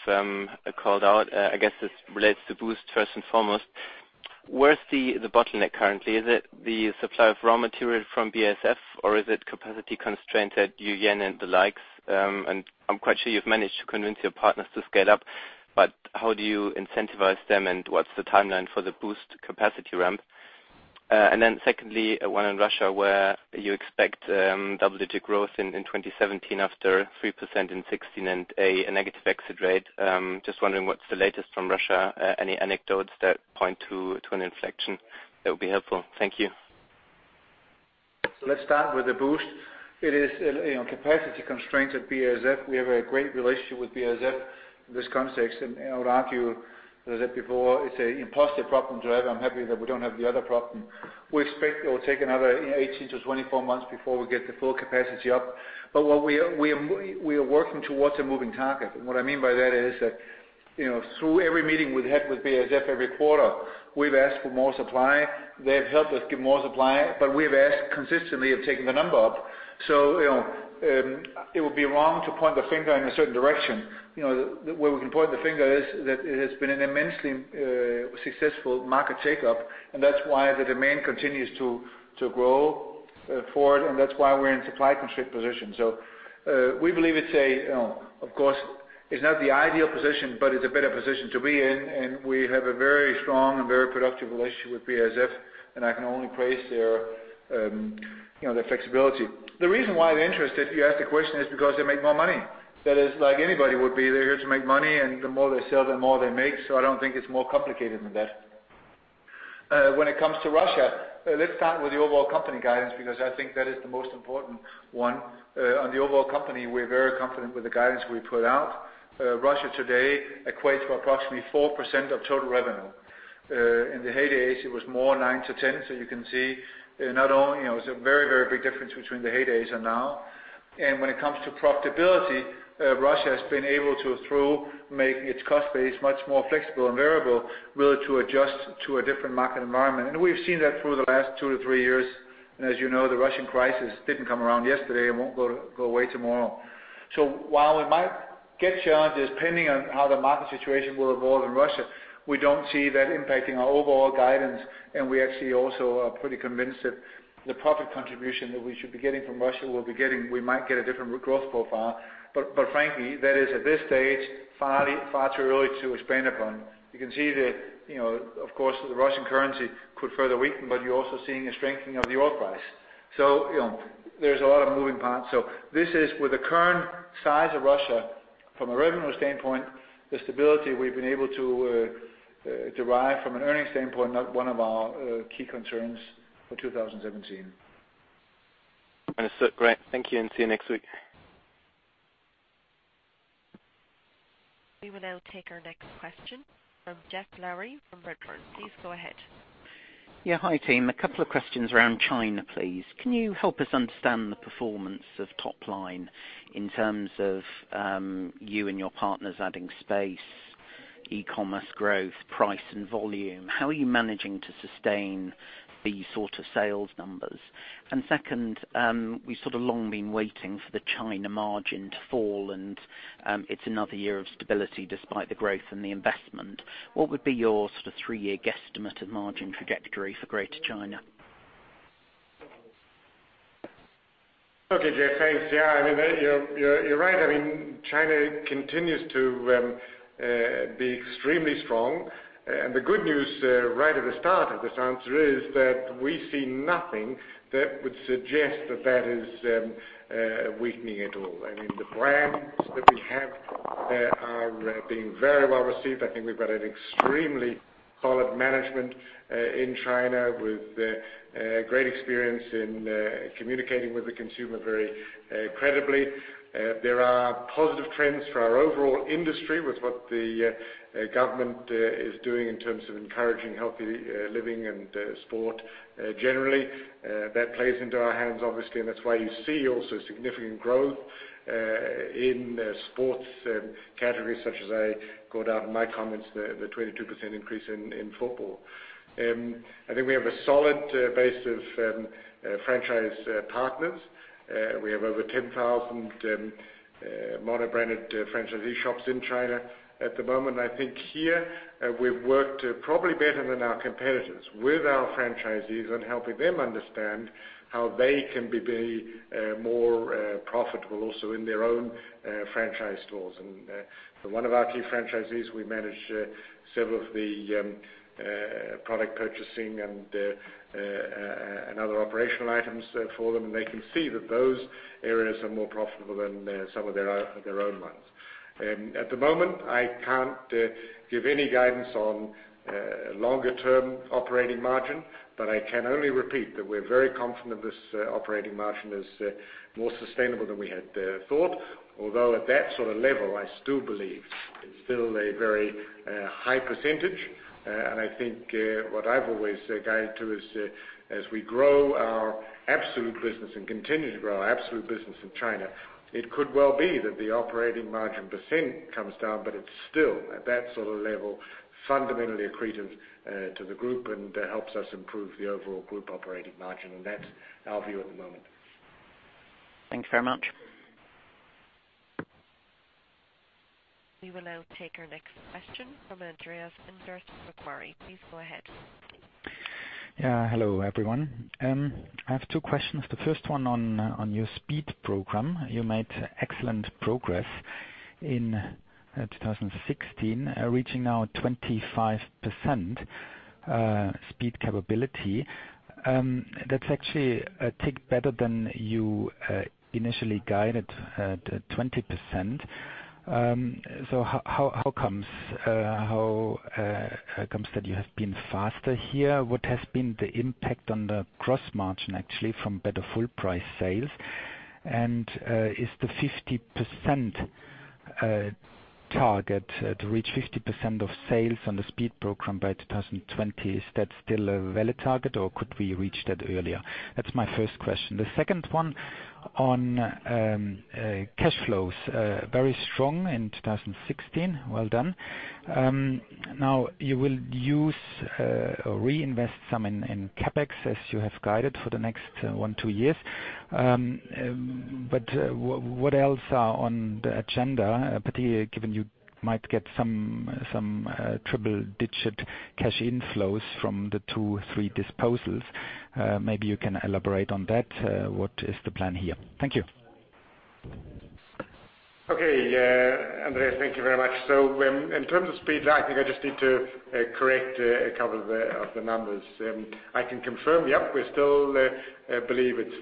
called out. I guess this relates to Boost first and foremost. Where's the bottleneck currently? Is it the supply of raw material from BASF, or is it capacity constraints at Yue Yuen and the likes? I'm quite sure you've managed to convince your partners to scale up, but how do you incentivize them, and what's the timeline for the Boost capacity ramp? Secondly, one on Russia, where you expect double-digit growth in 2017 after 3% in 2016 and a negative exit rate. Just wondering what's the latest from Russia. Any anecdotes that point to an inflection, that would be helpful. Thank you. Let's start with the Boost. It is capacity constraints at BASF. We have a great relationship with BASF in this context, and I would argue that before it's an impossible problem to have. I'm happy that we don't have the other problem. We expect it will take another 18 to 24 months before we get the full capacity up. We are working towards a moving target. What I mean by that is that through every meeting we've had with BASF every quarter, we've asked for more supply. They have helped us get more supply, but we've asked consistently of taking the number up. It would be wrong to point the finger in a certain direction. Where we can point the finger is that it has been an immensely successful market take-up, and that's why the demand continues to grow for it, and that's why we're in supply constraint position. We believe it's, of course, it's not the ideal position, but it's a better position to be in, and we have a very strong and very productive relationship with BASF, and I can only praise their flexibility. The reason why they're interested, you asked the question, is because they make more money. That is like anybody would be. They're here to make money, and the more they sell, the more they make. I don't think it's more complicated than that. When it comes to Russia, let's start with the overall company guidance, because I think that is the most important one. On the overall company, we're very confident with the guidance we put out. Russia today equates to approximately 4% of total revenue. In the heydays, it was more, 9%-10%. You can see there's a very big difference between the heydays and now. When it comes to profitability, Russia has been able to, through making its cost base much more flexible and variable, really to adjust to a different market environment. We've seen that through the last two to three years. As you know, the Russian crisis didn't come around yesterday and won't go away tomorrow. While we might get challenges, depending on how the market situation will evolve in Russia, we don't see that impacting our overall guidance. We actually also are pretty convinced that the profit contribution that we should be getting from Russia, we might get a different growth profile. Frankly, that is, at this stage, far too early to expand upon. You can see that, of course, the Russian currency could further weaken, you're also seeing a strengthening of the oil price. There's a lot of moving parts. This is with the current size of Russia from a revenue standpoint, the stability we've been able to derive from an earnings standpoint, not one of our key concerns for 2017. Understood. Great. Thank you, and see you next week. We will now take our next question from Geoff Lowery from Redburn. Please go ahead. Yeah. Hi, team. A couple of questions around China, please. Can you help us understand the performance of top-line in terms of you and your partners adding space, e-commerce growth, price, and volume? How are you managing to sustain these sort of sales numbers? Second, we've sort of long been waiting for the China margin to fall, and it's another year of stability despite the growth and the investment. What would be your sort of three-year guesstimate of margin trajectory for Greater China? Okay, Geoff, thanks. Yeah, you're right. China continues to be extremely strong. The good news right at the start of this answer is that we see nothing that would suggest that that is weakening at all. I mean, the brands that we have there are being very well received. I think we've got an extremely solid management in China with great experience in communicating with the consumer very credibly. There are positive trends for our overall industry with what the government is doing in terms of encouraging healthy living and sport generally. That plays into our hands, obviously, and that's why you see also significant growth in sports categories such as I got out in my comments, the 22% increase in football. I think we have a solid base of franchise partners. We have over 10,000 mono-branded franchisee shops in China at the moment. I think here we've worked probably better than our competitors with our franchisees on helping them understand how they can be very more profitable also in their own franchise stores. For one of our key franchisees, we manage several of the product purchasing and other operational items for them, and they can see that those areas are more profitable than some of their own ones. At the moment, I can't give any guidance on longer term operating margin, but I can only repeat that we're very confident this operating margin is more sustainable than we had thought. Although at that sort of level, I still believe it's still a very high percentage. I think what I've always guided to is as we grow our absolute business and continue to grow our absolute business in China, it could well be that the operating margin percent comes down, but it's still at that sort of level fundamentally accretive to the group and helps us improve the overall group operating margin. That's our view at the moment. Thanks very much. We will now take our next question from Andreas Inderst of Macquarie. Please go ahead. Hello, everyone. I have two questions. The first one on your speed program. You made excellent progress in 2016, reaching now 25% speed capability. That's actually a tick better than you initially guided at 20%. How comes that you have been faster here? What has been the impact on the gross margin, actually, from better full price sales? Is the 50% target to reach 50% of sales on the speed program by 2020, is that still a valid target or could we reach that earlier? That's my first question. The second one on cash flows. Very strong in 2016. Well done. You will use or reinvest some in CapEx as you have guided for the next one, two years. What else are on the agenda, particularly given you might get some triple-digit cash inflows from the two, three disposals? Maybe you can elaborate on that. What is the plan here? Thank you. Andreas, thank you very much. In terms of speed, I think I just need to correct a couple of the numbers. I can confirm, yep, we still believe it's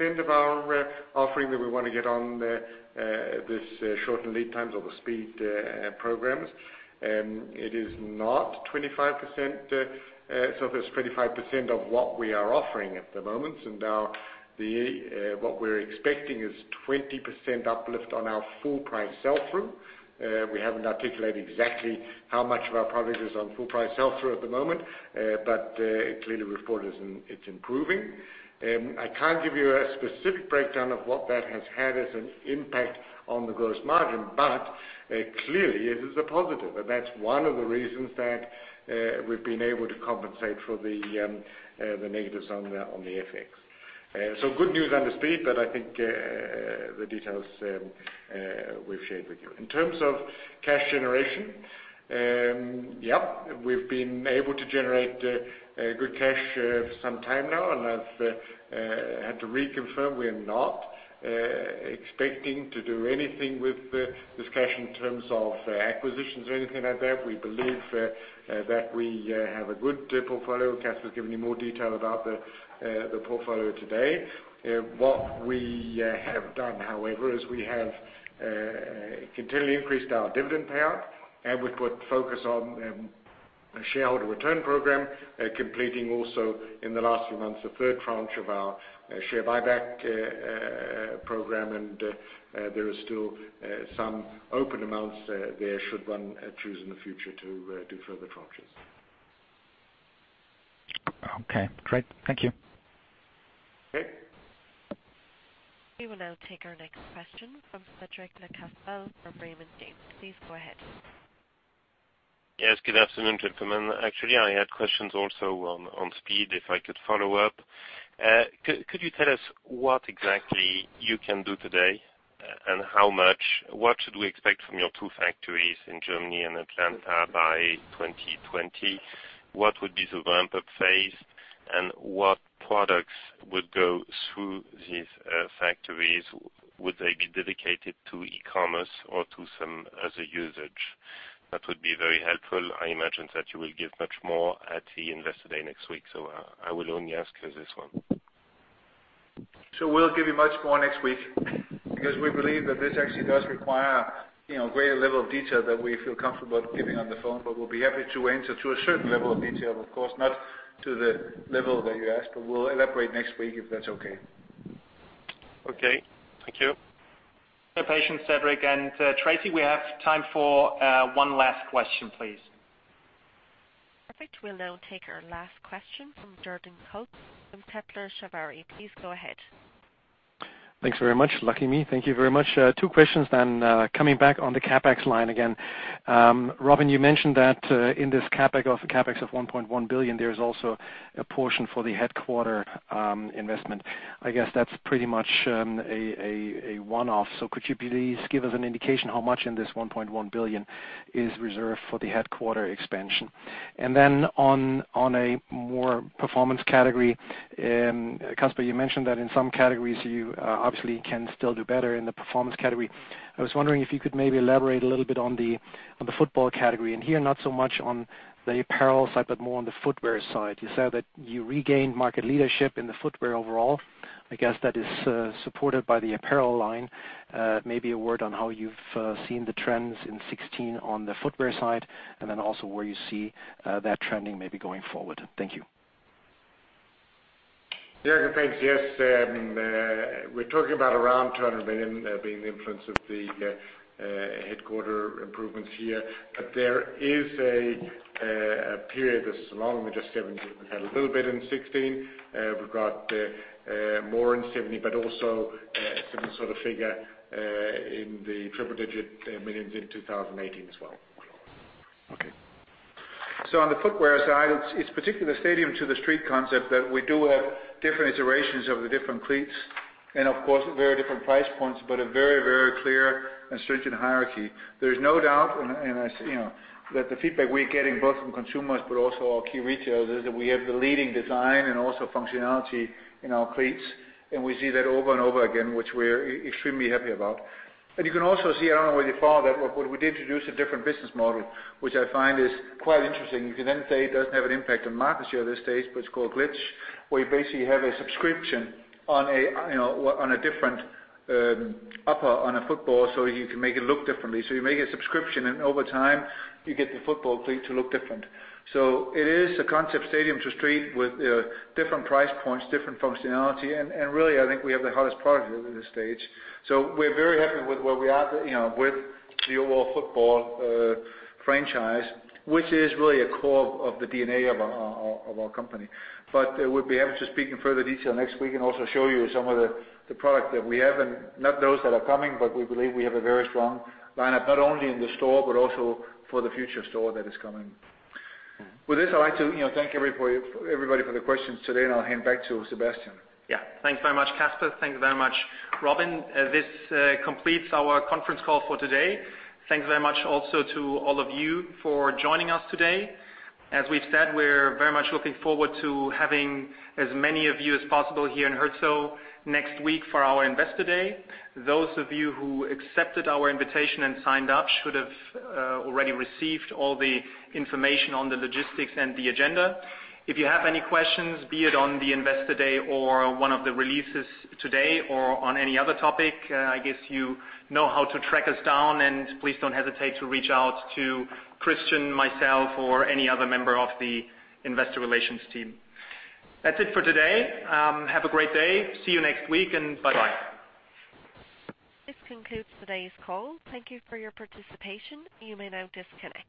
50% of our offering that we want to get on this shortened lead times or the speed programs. It is not 25%, so there's 25% of what we are offering at the moment. Now, what we're expecting is 20% uplift on our full price sell-through. We haven't articulated exactly how much of our product is on full price sell-through at the moment. It clearly report it's improving. I can't give you a specific breakdown of what that has had as an impact on the gross margin, clearly it is a positive, and that's one of the reasons that we've been able to compensate for the negatives on the FX. Good news on the speed, I think the details we've shared with you. In terms of cash generation. Yep. We've been able to generate good cash for some time now, I've had to reconfirm, we're not expecting to do anything with this cash in terms of acquisitions or anything like that. We believe that we have a good portfolio. Kasper's given you more detail about the portfolio today. What we have done, however, is we have continually increased our dividend payout, we put focus on a shareholder return program, completing also in the last few months, the third tranche of our share buyback program, and there are still some open amounts there should one choose in the future to do further tranches. Okay, great. Thank you. Okay. We will now take our next question from Cedric Lecasble from Raymond James. Please go ahead. Yes, good afternoon, gentlemen. Actually, I had questions also on speed, if I could follow up. Could you tell us what exactly you can do today and how much? What should we expect from your two factories in Germany and Atlanta by 2020? What would be the ramp-up phase, and what products would go through these factories? Would they be dedicated to e-commerce or to some other usage? That would be very helpful. I imagine that you will give much more at the Investor Day next week. I will only ask you this one. We'll give you much more next week because we believe that this actually does require greater level of detail that we feel comfortable giving on the phone. We'll be happy to answer to a certain level of detail, of course, not to the level that you ask, but we'll elaborate next week, if that's okay. Okay. Thank you. No patience, Cedric and Tracy, we have time for one last question, please. Perfect. We'll now take our last question from Jürgen Kolb from Kepler Cheuvreux. Please go ahead. Thanks very much. Lucky me. Thank you very much. Two questions. Coming back on the CapEx line again. Robin, you mentioned that in this CapEx of 1.1 billion, there's also a portion for the headquarter investment. I guess that's pretty much a one-off. Could you please give us an indication how much in this 1.1 billion is reserved for the headquarter expansion? On a more performance category. Kasper, you mentioned that in some categories, you obviously can still do better in the performance category. I was wondering if you could maybe elaborate a little bit on the football category, and here, not so much on the apparel side, but more on the footwear side. You said that you regained market leadership in the footwear overall. I guess that is supported by the apparel line. Maybe a word on how you've seen the trends in 2016 on the footwear side. Also, where you see that trending maybe going forward. Thank you. Jürgen, thanks. Yes. We're talking about around 200 million being the influence of the headquarter improvements here. There is a period, this is along, we just haven't had a little bit in 2016. We've got more in 2017. Also, some sort of figure in the triple-digit millions in 2018 as well. Okay. On the footwear side, it's particularly the Stadium-to-the-street concept that we do have different iterations of the different cleats and, of course, very different price points, a very, very clear and stringent hierarchy. There's no doubt that the feedback we're getting both from consumers but also our key retailers is that we have the leading design and also functionality in our cleats. We see that over and over again, which we're extremely happy about. You can also see, I don't know where you saw that, we did introduce a different business model, which I find is quite interesting. You can say it doesn't have an impact on market share at this stage, it's called Glitch, where you basically have a subscription on a different upper on a football so you can make it look differently. You make a subscription. Over time, you get the football cleat to look different. It is a concept Stadium to street with different price points, different functionality, really, I think we have the hottest product at this stage. We're very happy with where we are with the overall football franchise, which is really a core of the DNA of our company. We'll be able to speak in further detail next week. Also, show you some of the product that we have and not those that are coming, we believe we have a very strong lineup not only in the store but also for the future store that is coming. With this, I'd like to thank everybody for the questions today, and I'll hand back to Sebastian. Yeah. Thanks very much, Kasper. Thank you very much, Robin. This completes our conference call for today. Thanks very much also to all of you for joining us today. As we've said, we're very much looking forward to having as many of you as possible here in Herzogenaurach next week for our Investor Day. Those of you who accepted our invitation and signed up should have already received all the information on the logistics and the agenda. If you have any questions, be it on the Investor Day or one of the releases today or on any other topic, I guess you know how to track us down, and please don't hesitate to reach out to Christian, myself, or any other member of the investor relations team. That's it for today. Have a great day. See you next week, and bye-bye. This concludes today's call. Thank you for your participation. You may now disconnect.